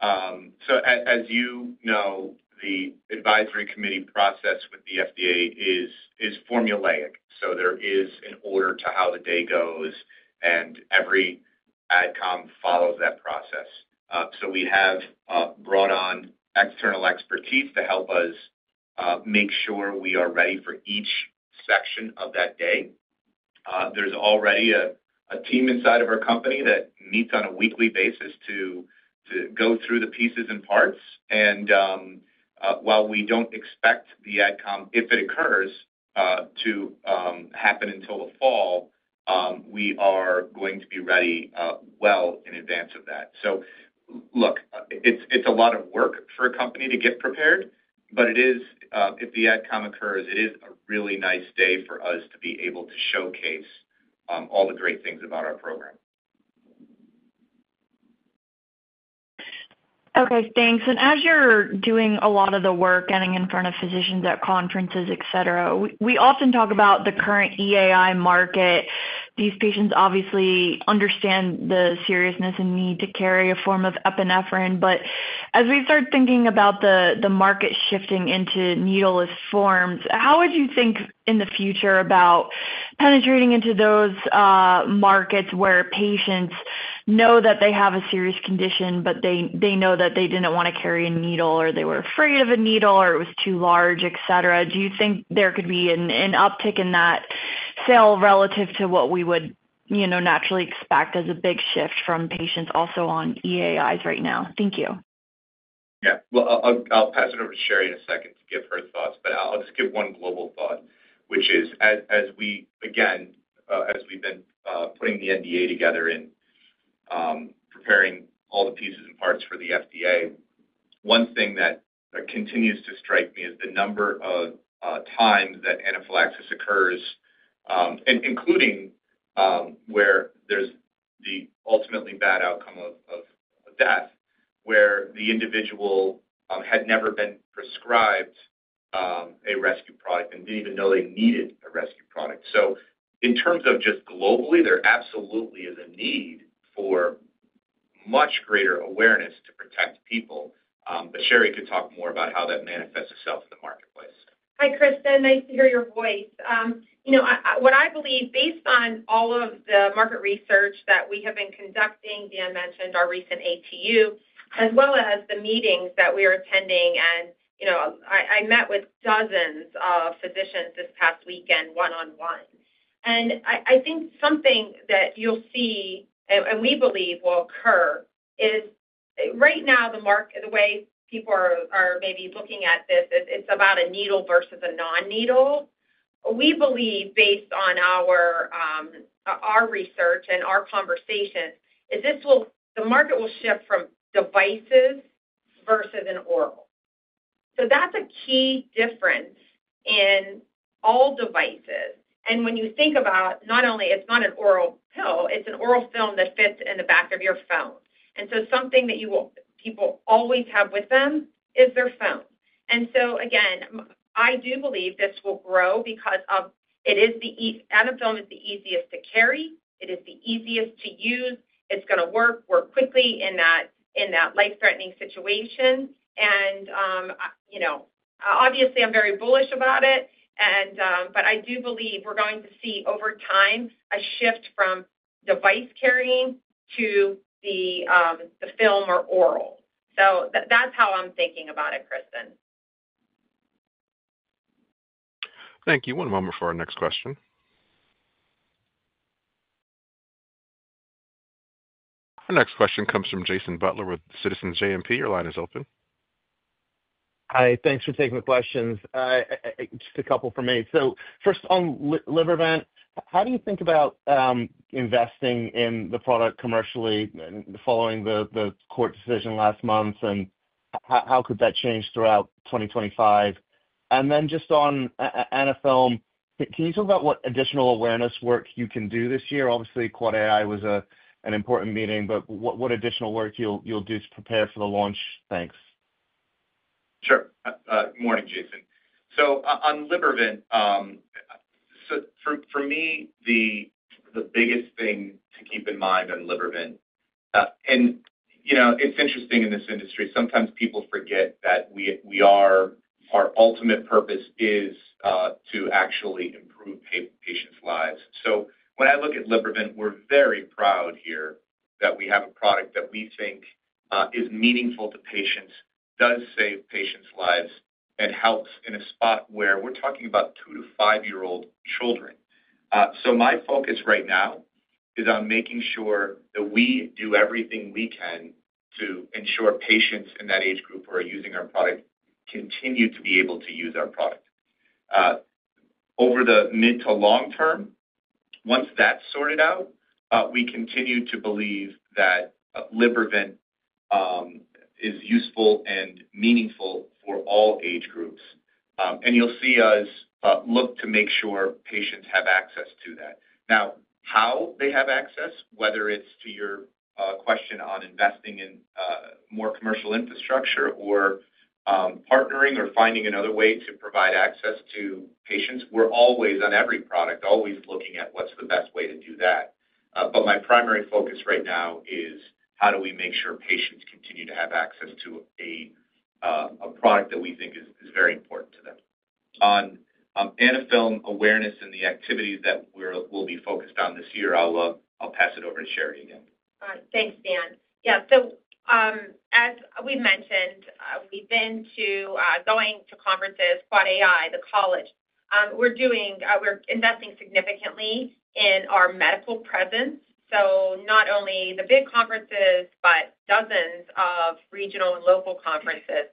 As you know, the advisory committee process with the FDA is formulaic. There is an order to how the day goes, and every AdCom follows that process. We have brought on external expertise to help us make sure we are ready for each section of that day. There is already a team inside of our company that meets on a weekly basis to go through the pieces and parts. While we do not expect the AdCom, if it occurs, to happen until the fall, we are going to be ready well in advance of that. Look, it's a lot of work for a company to get prepared, but if the AdCom occurs, it is a really nice day for us to be able to showcase all the great things about our program. Okay. Thanks. As you're doing a lot of the work, getting in front of physicians at conferences, etc., we often talk about the current EAI market. These patients obviously understand the seriousness and need to carry a form of epinephrine. As we start thinking about the market shifting into needleless forms, how would you think in the future about penetrating into those markets where patients know that they have a serious condition, but they know that they did not want to carry a needle, or they were afraid of a needle, or it was too large, etc.? Do you think there could be an uptick in that sale relative to what we would naturally expect as a big shift from patients also on EAIs right now? Thank you. Yeah. I'll pass it over to Sherry in a second to give her thoughts. I'll just give one global thought, which is, again, as we've been putting the NDA together and preparing all the pieces and parts for the FDA, one thing that continues to strike me is the number of times that anaphylaxis occurs, including where there's the ultimately bad outcome of death, where the individual had never been prescribed a rescue product and didn't even know they needed a rescue product. In terms of just globally, there absolutely is a need for much greater awareness to protect people. Sherry could talk more about how that manifests itself in the marketplace. Hi, Kristen. Nice to hear your voice. What I believe, based on all of the market research that we have been conducting, Dan mentioned our recent ATU, as well as the meetings that we are attending. I met with dozens of physicians this past weekend one-on-one. I think something that you'll see, and we believe will occur, is right now, the way people are maybe looking at this, it's about a needle versus a non-needle. We believe, based on our research and our conversations, the market will shift from devices versus an oral. That's a key difference in all devices. When you think about not only it's not an oral pill, it's an oral film that fits in the back of your phone. Something that people always have with them is their phone. I do believe this will grow because the Anaphylm is the easiest to carry. It is the easiest to use. It's going to work quickly in that life-threatening situation. Obviously, I'm very bullish about it. I do believe we're going to see over time a shift from device carrying to the film or oral. That's how I'm thinking about it, Kristen. Thank you. One moment for our next question. Our next question comes from Jason Butler with Citizens JMP. Your line is open. Hi. Thanks for taking the questions. Just a couple for me. First on Libervant, how do you think about investing in the product commercially following the court decision last month? How could that change throughout 2025? Just on Anaphylm, can you talk about what additional awareness work you can do this year? Obviously, Quad AI was an important meeting, but what additional work you'll do to prepare for the launch? Thanks. Sure. Morning, Jason. On Libervant, for me, the biggest thing to keep in mind on Libervant, and it's interesting in this industry, sometimes people forget that our ultimate purpose is to actually improve patients' lives. When I look at Libervant, we're very proud here that we have a product that we think is meaningful to patients, does save patients' lives, and helps in a spot where we're talking about two- to five-year-old children. My focus right now is on making sure that we do everything we can to ensure patients in that age group who are using our product continue to be able to use our product. Over the mid to long term, once that's sorted out, we continue to believe that Libervant is useful and meaningful for all age groups. You'll see us look to make sure patients have access to that. Now, how they have access, whether it's to your question on investing in more commercial infrastructure or partnering or finding another way to provide access to patients, we're always, on every product, always looking at what's the best way to do that. My primary focus right now is how do we make sure patients continue to have access to a product that we think is very important to them. On Anaphylm awareness and the activities that we'll be focused on this year, I'll pass it over to Sherry again. All right. Thanks, Dan. Yeah. As we mentioned, we've been going to conferences, Quad AI, the college. We're investing significantly in our medical presence. Not only the big conferences, but dozens of regional and local conferences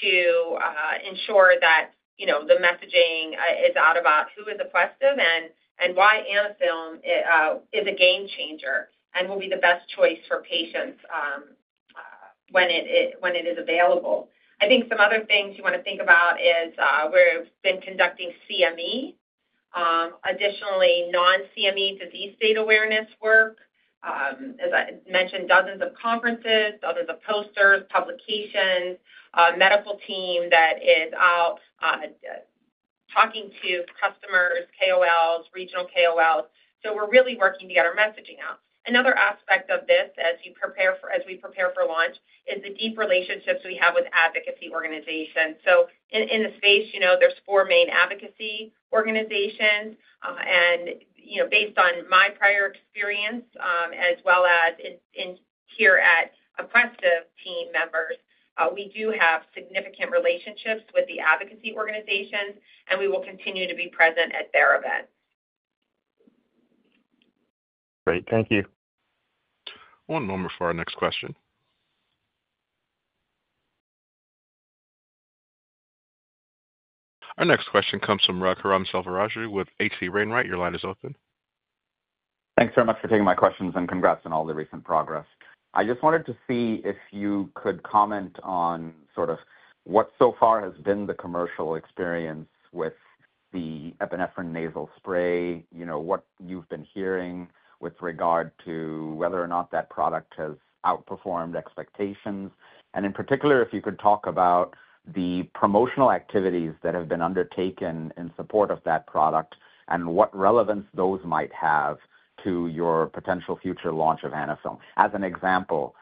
to ensure that the messaging is out about who is Aquestive and why Anaphylm is a game changer and will be the best choice for patients when it is available. I think some other things you want to think about is we've been conducting CME. Additionally, non-CME disease state awareness work. As I mentioned, dozens of conferences, dozens of posters, publications, medical team that is out talking to customers, KOLs, regional KOLs. We're really working to get our messaging out. Another aspect of this, as we prepare for launch, is the deep relationships we have with advocacy organizations. In the space, there's four main advocacy organizations. Based on my prior experience, as well as here at Aquestive team members, we do have significant relationships with the advocacy organizations, and we will continue to be present at their events. Great. Thank you. One moment for our next question. Our next question comes from Raghuram Selvaraju with H.C. Wainwright. Your line is open. Thanks very much for taking my questions, and congrats on all the recent progress. I just wanted to see if you could comment on sort of what so far has been the commercial experience with the epinephrine nasal spray, what you've been hearing with regard to whether or not that product has outperformed expectations. In particular, if you could talk about the promotional activities that have been undertaken in support of that product and what relevance those might have to your potential future launch of Anaphylm. As an example,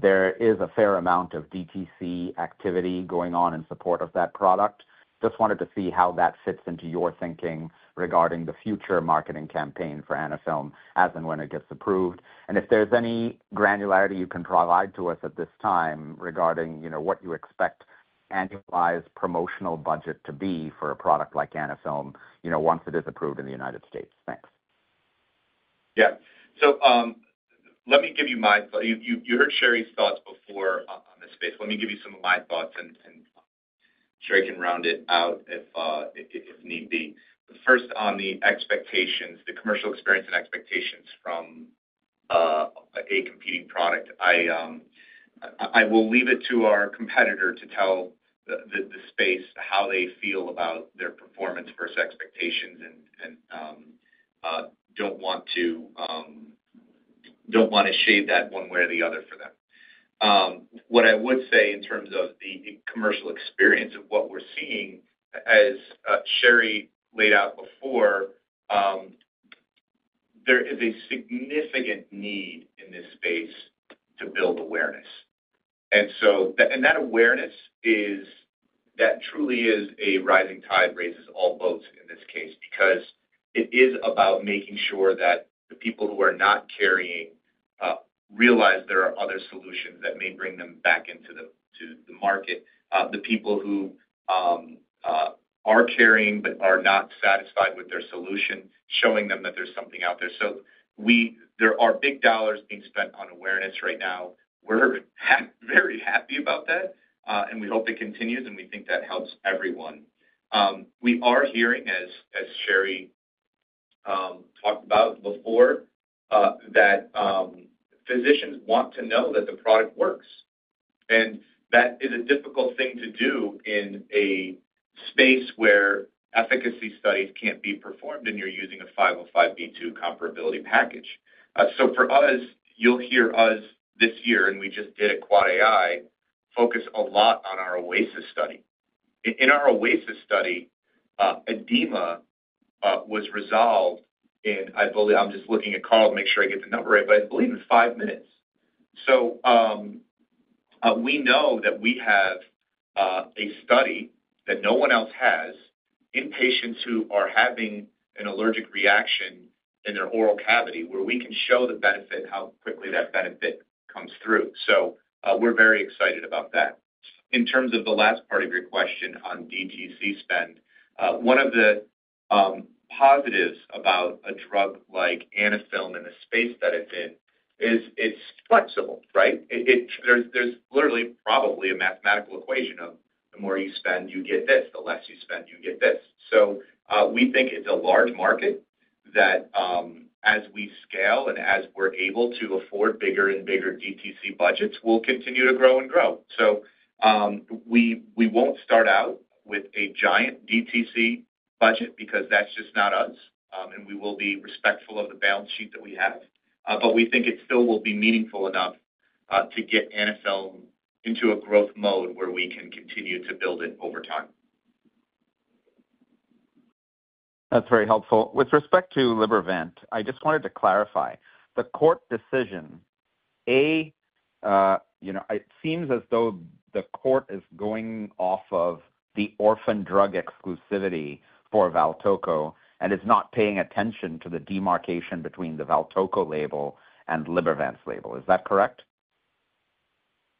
there is a fair amount of DTC activity going on in support of that product. Just wanted to see how that fits into your thinking regarding the future marketing campaign for Anaphylm as and when it gets approved. If there's any granularity you can provide to us at this time regarding what you expect annualized promotional budget to be for a product like Anaphylm once it is approved in the United States. Thanks. Yeah. Let me give you my—you heard Sherry's thoughts before on this space. Let me give you some of my thoughts, and Sherry can round it out if need be. First, on the expectations, the commercial experience and expectations from a competing product, I will leave it to our competitor to tell the space how they feel about their performance versus expectations and do not want to shade that one way or the other for them. What I would say in terms of the commercial experience of what we are seeing, as Sherry laid out before, there is a significant need in this space to build awareness. That awareness truly is a rising tide raises all boats in this case because it is about making sure that the people who are not carrying realize there are other solutions that may bring them back into the market. The people who are carrying but are not satisfied with their solution, showing them that there is something out there. There are big dollars being spent on awareness right now. We're very happy about that, and we hope it continues, and we think that helps everyone. We are hearing, as Sherry talked about before, that physicians want to know that the product works. That is a difficult thing to do in a space where efficacy studies can't be performed, and you're using a 505(b)(2) comparability package. For us, you'll hear us this year, and we just did a Quad AI, focus a lot on our OASIS study. In our OASIS study, edema was resolved in—I am just looking at Carl to make sure I get the number right—but I believe in five minutes. We know that we have a study that no one else has in patients who are having an allergic reaction in their oral cavity where we can show the benefit and how quickly that benefit comes through. We are very excited about that. In terms of the last part of your question on DTC spend, one of the positives about a drug like Anaphylm in the space that it's in is it's flexible, right? There's literally probably a mathematical equation of the more you spend, you get this; the less you spend, you get this. We think it's a large market that, as we scale and as we're able to afford bigger and bigger DTC budgets, will continue to grow and grow. We won't start out with a giant DTC budget because that's just not us. We will be respectful of the balance sheet that we have. We think it still will be meaningful enough to get Anaphylm into a growth mode where we can continue to build it over time. That's very helpful. With respect to Libervant, I just wanted to clarify the court decision. A, it seems as though the court is going off of the orphan drug exclusivity for Valtoco and is not paying attention to the demarcation between the Valtoco label and Libervant's label. Is that correct?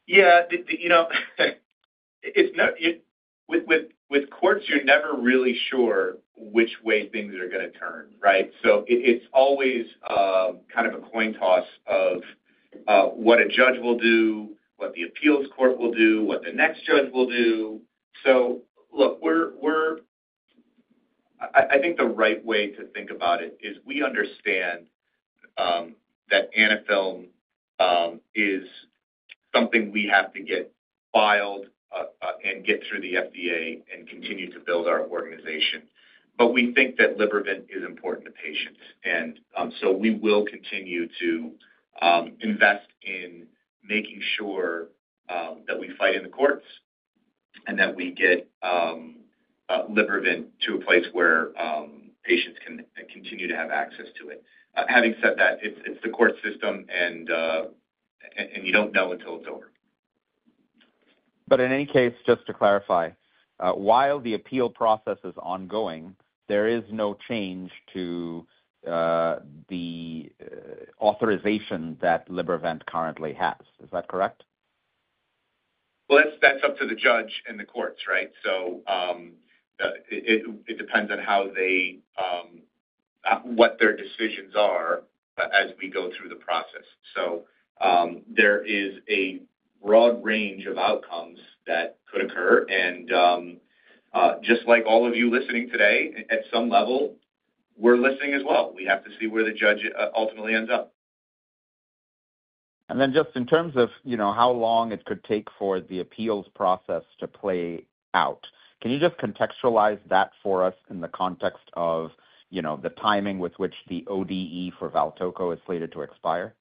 Yeah. With courts, you're never really sure which way things are going to turn, right? It's always kind of a coin toss of what a judge will do, what the appeals court will do, what the next judge will do. Look, I think the right way to think about it is we understand that Anaphylm is something we have to get filed and get through the FDA and continue to build our organization. We think that Libervant is important to patients. We will continue to invest in making sure that we fight in the courts and that we get Libervant to a place where patients can continue to have access to it. Having said that, it is the court system, and you do not know until it is over. In any case, just to clarify, while the appeal process is ongoing, there is no change to the authorization that Libervant currently has. Is that correct? That is up to the judge and the courts, right? It depends on what their decisions are as we go through the process. There is a broad range of outcomes that could occur. Just like all of you listening today, at some level, we are listening as well. We have to see where the judge ultimately ends up. Just in terms of how long it could take for the appeals process to play out, can you just contextualize that for us in the context of the timing with which the ODE for Valtoco is slated to expire?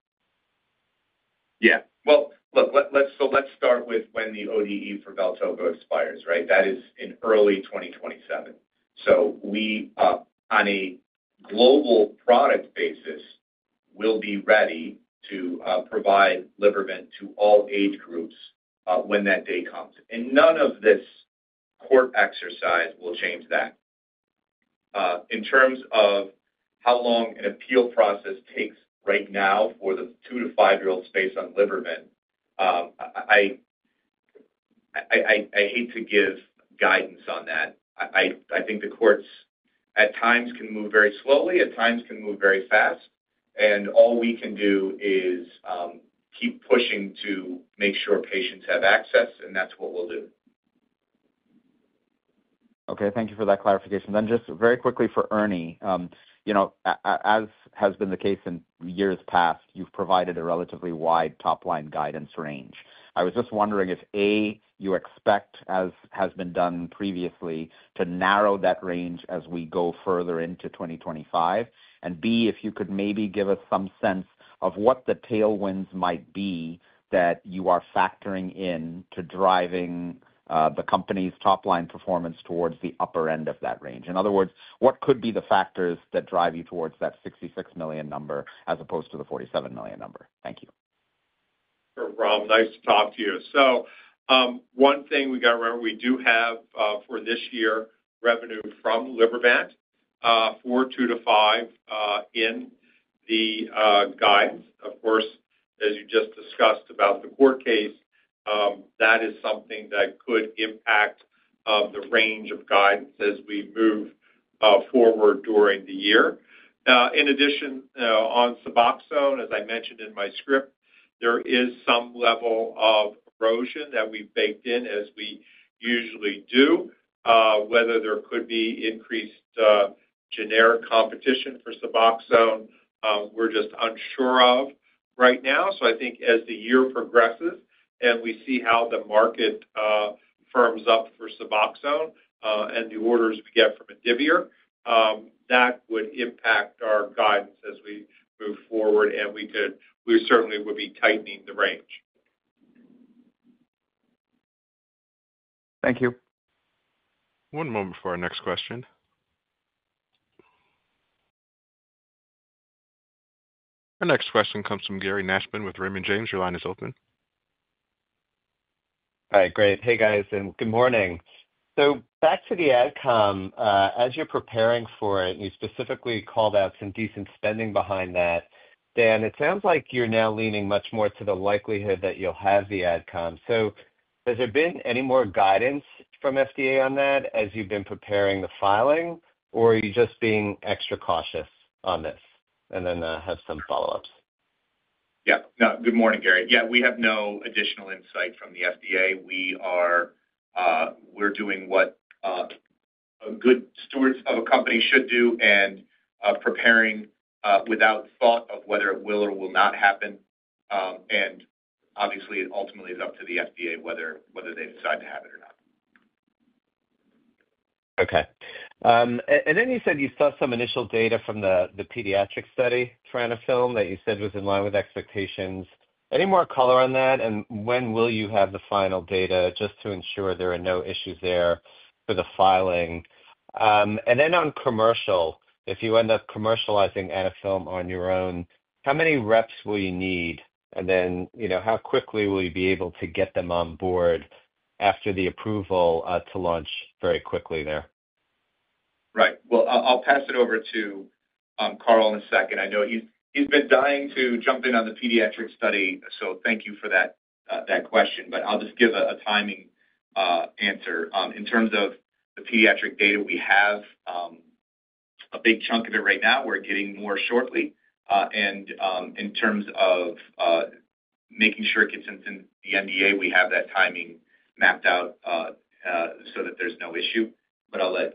Yeah. Look, let's start with when the ODE for Valtoco expires, right? That is in early 2027. We, on a global product basis, will be ready to provide Libervant to all age groups when that day comes. None of this court exercise will change that. In terms of how long an appeal process takes right now for the two to five-year-old space on Libervant, I hate to give guidance on that. I think the courts at times can move very slowly, at times can move very fast. All we can do is keep pushing to make sure patients have access, and that's what we'll do. Okay. Thank you for that clarification. Just very quickly for Ernie, as has been the case in years past, you've provided a relatively wide top-line guidance range. I was just wondering if, A, you expect, as has been done previously, to narrow that range as we go further into 2025, and B, if you could maybe give us some sense of what the tailwinds might be that you are factoring in to driving the company's top-line performance towards the upper end of that range. In other words, what could be the factors that drive you towards that $66 million number as opposed to the $47 million number? Thank you. Sure, Rag. Nice to talk to you. One thing we got to remember, we do have for this year revenue from Libervant for $2 million-$5 million in the guidance. Of course, as you just discussed about the court case, that is something that could impact the range of guidance as we move forward during the year. In addition, on Suboxone, as I mentioned in my script, there is some level of erosion that we've baked in as we usually do. Whether there could be increased generic competition for Suboxone, we're just unsure of right now. I think as the year progresses and we see how the market firms up for Suboxone and the orders we get from Indivior, that would impact our guidance as we move forward, and we certainly would be tightening the range. Thank you. One moment for our next question. Our next question comes from Gary Nachman with Raymond James. Your line is open. Hi. Great. Hey, guys, and good morning. Back to the AdCom. As you're preparing for it, and you specifically called out some decent spending behind that, Dan, it sounds like you're now leaning much more to the likelihood that you'll have the AdCom. Has there been any more guidance from FDA on that as you've been preparing the filing, or are you just being extra cautious on this? I have some follow-ups. Yeah. No. Good morning, Gary. Yeah, we have no additional insight from the FDA. We're doing what a good steward of a company should do and preparing without thought of whether it will or will not happen. Obviously, it ultimately is up to the FDA whether they decide to have it or not. Okay. Then you said you saw some initial data from the pediatric study for Anaphylm that you said was in line with expectations. Any more color on that? When will you have the final data just to ensure there are no issues there for the filing? On commercial, if you end up commercializing Anaphylm on your own, how many reps will you need? How quickly will you be able to get them on board after the approval to launch very quickly there? Right. I will pass it over to Carl in a second. I know he's been dying to jump in on the pediatric study, so thank you for that question. I will just give a timing answer. In terms of the pediatric data, we have a big chunk of it right now. We're getting more shortly. In terms of making sure it gets into the NDA, we have that timing mapped out so that there's no issue. I'll let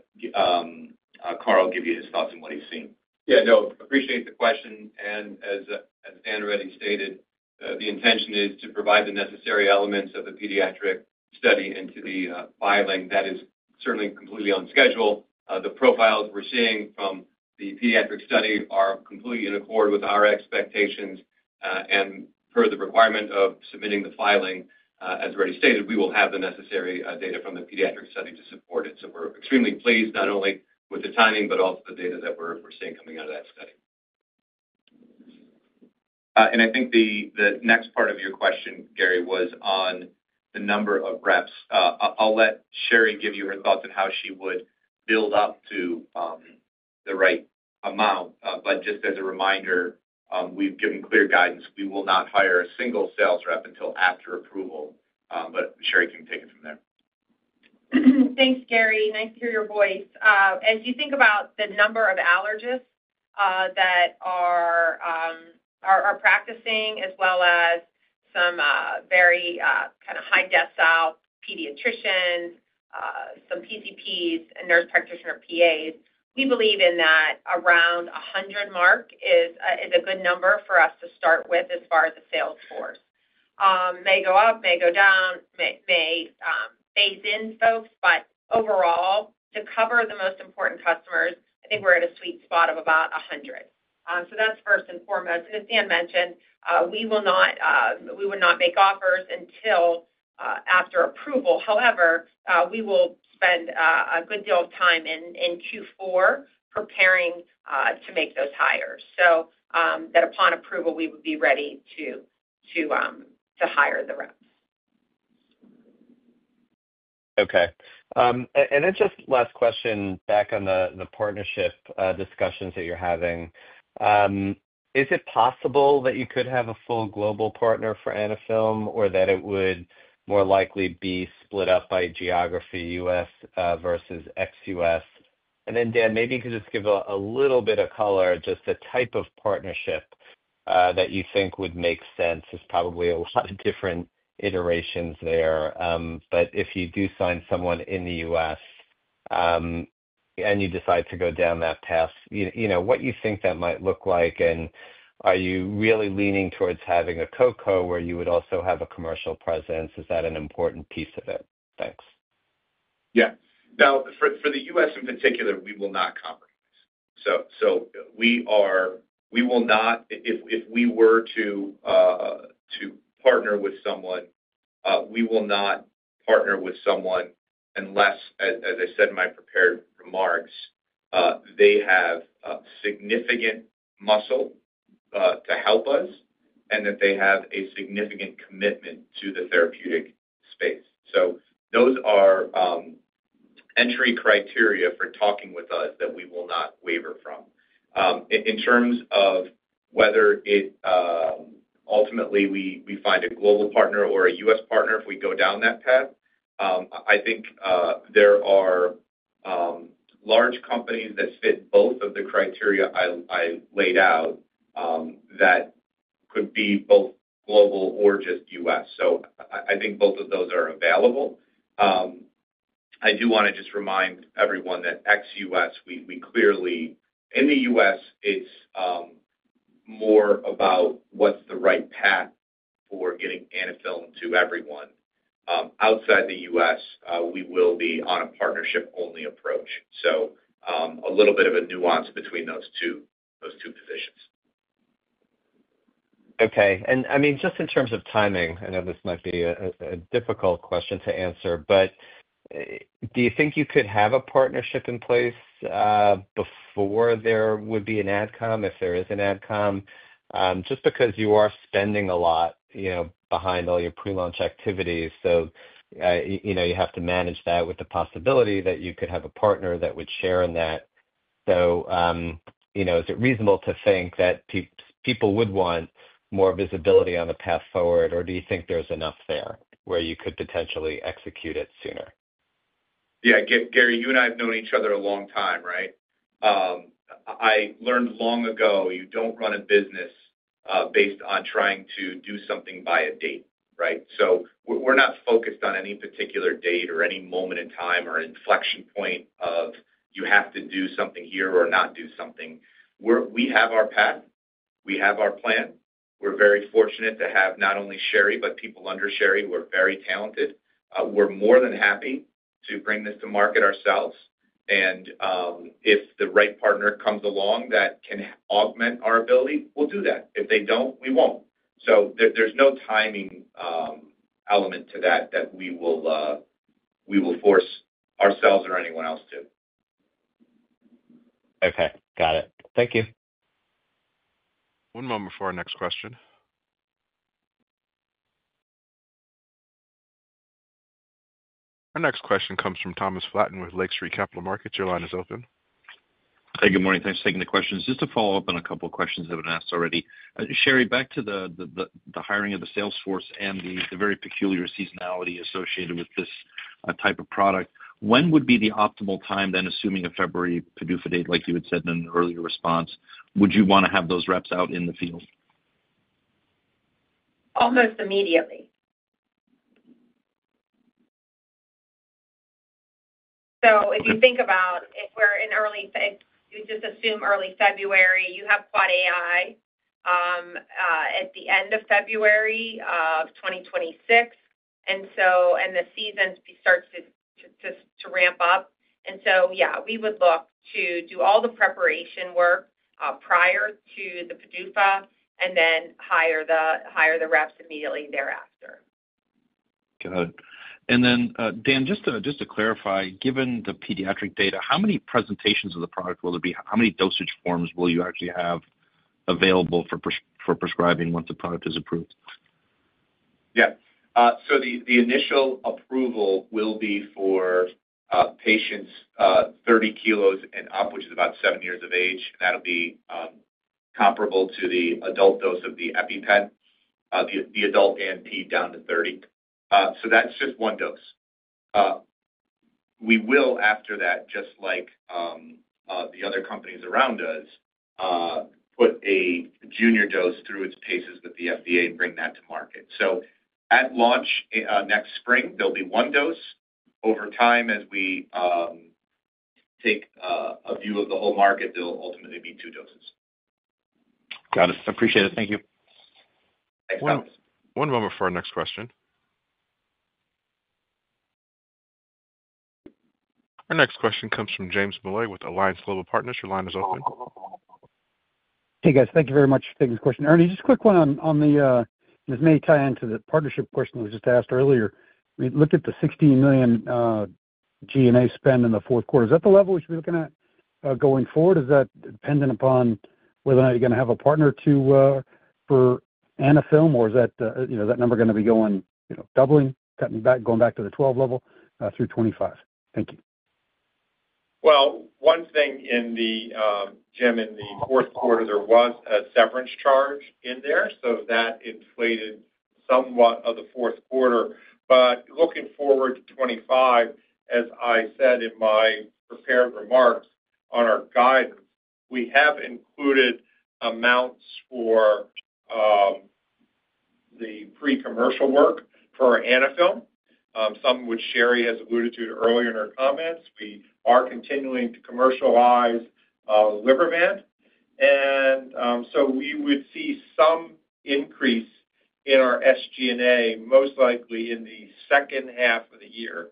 Carl give you his thoughts on what he's seen. Yeah. No, appreciate the question. As Dan already stated, the intention is to provide the necessary elements of the pediatric study into the filing. That is certainly completely on schedule. The profiles we're seeing from the pediatric study are completely in accord with our expectations. Per the requirement of submitting the filing, as already stated, we will have the necessary data from the pediatric study to support it. We're extremely pleased not only with the timing but also the data that we're seeing coming out of that study. I think the next part of your question, Gary, was on the number of reps. I'll let Sherry give you her thoughts on how she would build up to the right amount. Just as a reminder, we've given clear guidance. We will not hire a single sales rep until after approval. Sherry can take it from there. Thanks, Gary. Nice to hear your voice. As you think about the number of allergists that are practicing as well as some very kind of high-decile pediatricians, some PCPs, and nurse practitioner PAs, we believe in that around 100 mark is a good number for us to start with as far as the sales force. It may go up, may go down, may phase in folks. Overall, to cover the most important customers, I think we're at a sweet spot of about 100. That is first and foremost. As Dan mentioned, we would not make offers until after approval. However, we will spend a good deal of time in Q4 preparing to make those hires so that upon approval, we would be ready to hire the reps. Okay. Just last question back on the partnership discussions that you're having. Is it possible that you could have a full global partner for Anaphylm or that it would more likely be split up by geography, U.S. versus ex-U.S.? Dan, maybe you could just give a little bit of color, just the type of partnership that you think would make sense. There's probably a lot of different iterations there. If you do sign someone in the U.S. and you decide to go down that path, what do you think that might look like? Are you really leaning towards having a COCO where you would also have a commercial presence? Is that an important piece of it? Thanks. Yeah. Now, for the U.S. in particular, we will not compromise. We will not, if we were to partner with someone, we will not partner with someone unless, as I said in my prepared remarks, they have significant muscle to help us and that they have a significant commitment to the therapeutic space. Those are entry criteria for talking with us that we will not waiver from. In terms of whether ultimately we find a global partner or a U.S. partner if we go down that path, I think there are large companies that fit both of the criteria I laid out that could be both global or just U.S. I think both of those are available. I do want to just remind everyone that ex-U.S., we clearly, in the U.S., it's more about what's the right path for getting Anaphylm to everyone. Outside the U.S., we will be on a partnership-only approach. A little bit of a nuance between those two positions. Okay. I mean, just in terms of timing, I know this might be a difficult question to answer, but do you think you could have a partnership in place before there would be an AdCom, if there is an AdCom? Just because you are spending a lot behind all your pre-launch activities, you have to manage that with the possibility that you could have a partner that would share in that. Is it reasonable to think that people would want more visibility on the path forward, or do you think there's enough there where you could potentially execute it sooner? Yeah. Gary, you and I have known each other a long time, right? I learned long ago you don't run a business based on trying to do something by a date, right? We're not focused on any particular date or any moment in time or inflection point of you have to do something here or not do something. We have our path. We have our plan. We're very fortunate to have not only Sherry but people under Sherry who are very talented. We're more than happy to bring this to market ourselves. If the right partner comes along that can augment our ability, we'll do that. If they don't, we won't. There's no timing element to that that we will force ourselves or anyone else to. Okay. Got it. Thank you. One moment for our next question. Our next question comes from Thomas Flaten with Lake Street Capital Markets. Your line is open. Hi. Good morning. Thanks for taking the questions. Just to follow up on a couple of questions I've been asked already. Sherry, back to the hiring of the sales force and the very peculiar seasonality associated with this type of product, when would be the optimal time then, assuming a February PDUFA date, like you had said in an earlier response, would you want to have those reps out in the field? Almost immediately. If you think about if we're in early, if we just assume early February, you have Quad AI at the end of February of 2026, and the season starts to ramp up. Yeah, we would look to do all the preparation work prior to the PDUFA and then hire the reps immediately thereafter. Got it. Dan, just to clarify, given the pediatric data, how many presentations of the product will there be? How many dosage forms will you actually have available for prescribing once the product is approved? Yeah. The initial approval will be for patients 30 kilos and up, which is about 7 years of age. That will be comparable to the adult dose of the EpiPen, the adult ANP down to 30. That is just one dose. We will, after that, just like the other companies around us, put a junior dose through its paces with the FDA and bring that to market. At launch next spring, there will be one dose. Over time, as we take a view of the whole market, there will ultimately be two doses. Got it. Appreciate it. Thank you. Thanks, Thomas. One moment for our next question. Our next question comes from James Molloy with Alliance Global Partners. Your line is open. Hey, guys. Thank you very much for taking this question. Ernie, just a quick one on the—and this may tie into the partnership question that was just asked earlier. We looked at the $16 million G&A spend in the fourth quarter. Is that the level we should be looking at going forward? Is that dependent upon whether or not you're going to have a partner for Anaphylm, or is that number going to be going doubling, cutting back, going back to the $12 million level through 2025? Thank you. One thing, James, in the fourth quarter, there was a severance charge in there. That inflated somewhat of the fourth quarter. Looking forward to 2025, as I said in my prepared remarks on our guidance, we have included amounts for the pre-commercial work for Anaphylm, some of which Sherry has alluded to earlier in her comments. We are continuing to commercialize Libervant. We would see some increase in our SG&A, most likely in the second half of the year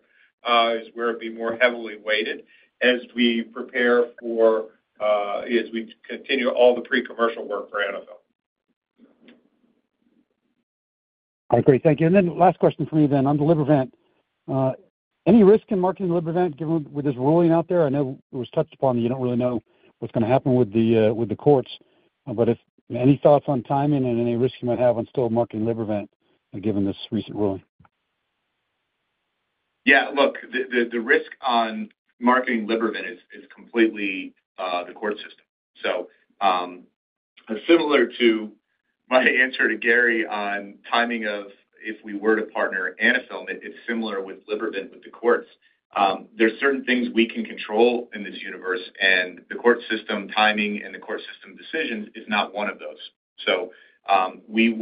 is where it'd be more heavily weighted as we prepare for, as we continue all the pre-commercial work for Anaphylm. I agree. Thank you. Last question for me then. On the Libervant, any risk in marketing Libervant given with this ruling out there? I know it was touched upon that you don't really know what's going to happen with the courts. Any thoughts on timing and any risk you might have on still marketing Libervant given this recent ruling? Yeah. Look, the risk on marketing Libervant is completely the court system. Similar to my answer to Gary on timing of if we were to partner Anaphylm, it's similar with Libervant with the courts. There are certain things we can control in this universe, and the court system timing and the court system decisions is not one of those. We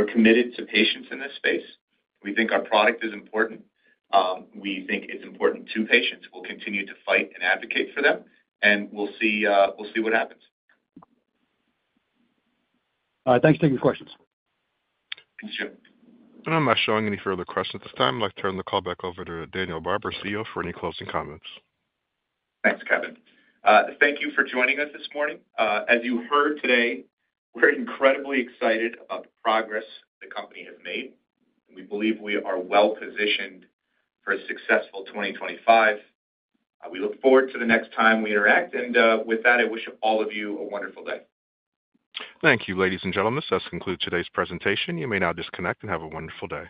are committed to patients in this space. We think our product is important. We think it's important to patients. We will continue to fight and advocate for them. We will see what happens. All right. Thanks for taking the questions. Thanks, James. I am not showing any further questions at this time. I would like to turn the call back over to Daniel Barber, CEO, for any closing comments. Thanks, Kevin. Thank you for joining us this morning. As you heard today, we are incredibly excited about the progress the company has made. We believe we are well-positioned for a successful 2025. We look forward to the next time we interact. With that, I wish all of you a wonderful day. Thank you, ladies and gentlemen. This does conclude today's presentation. You may now disconnect and have a wonderful day.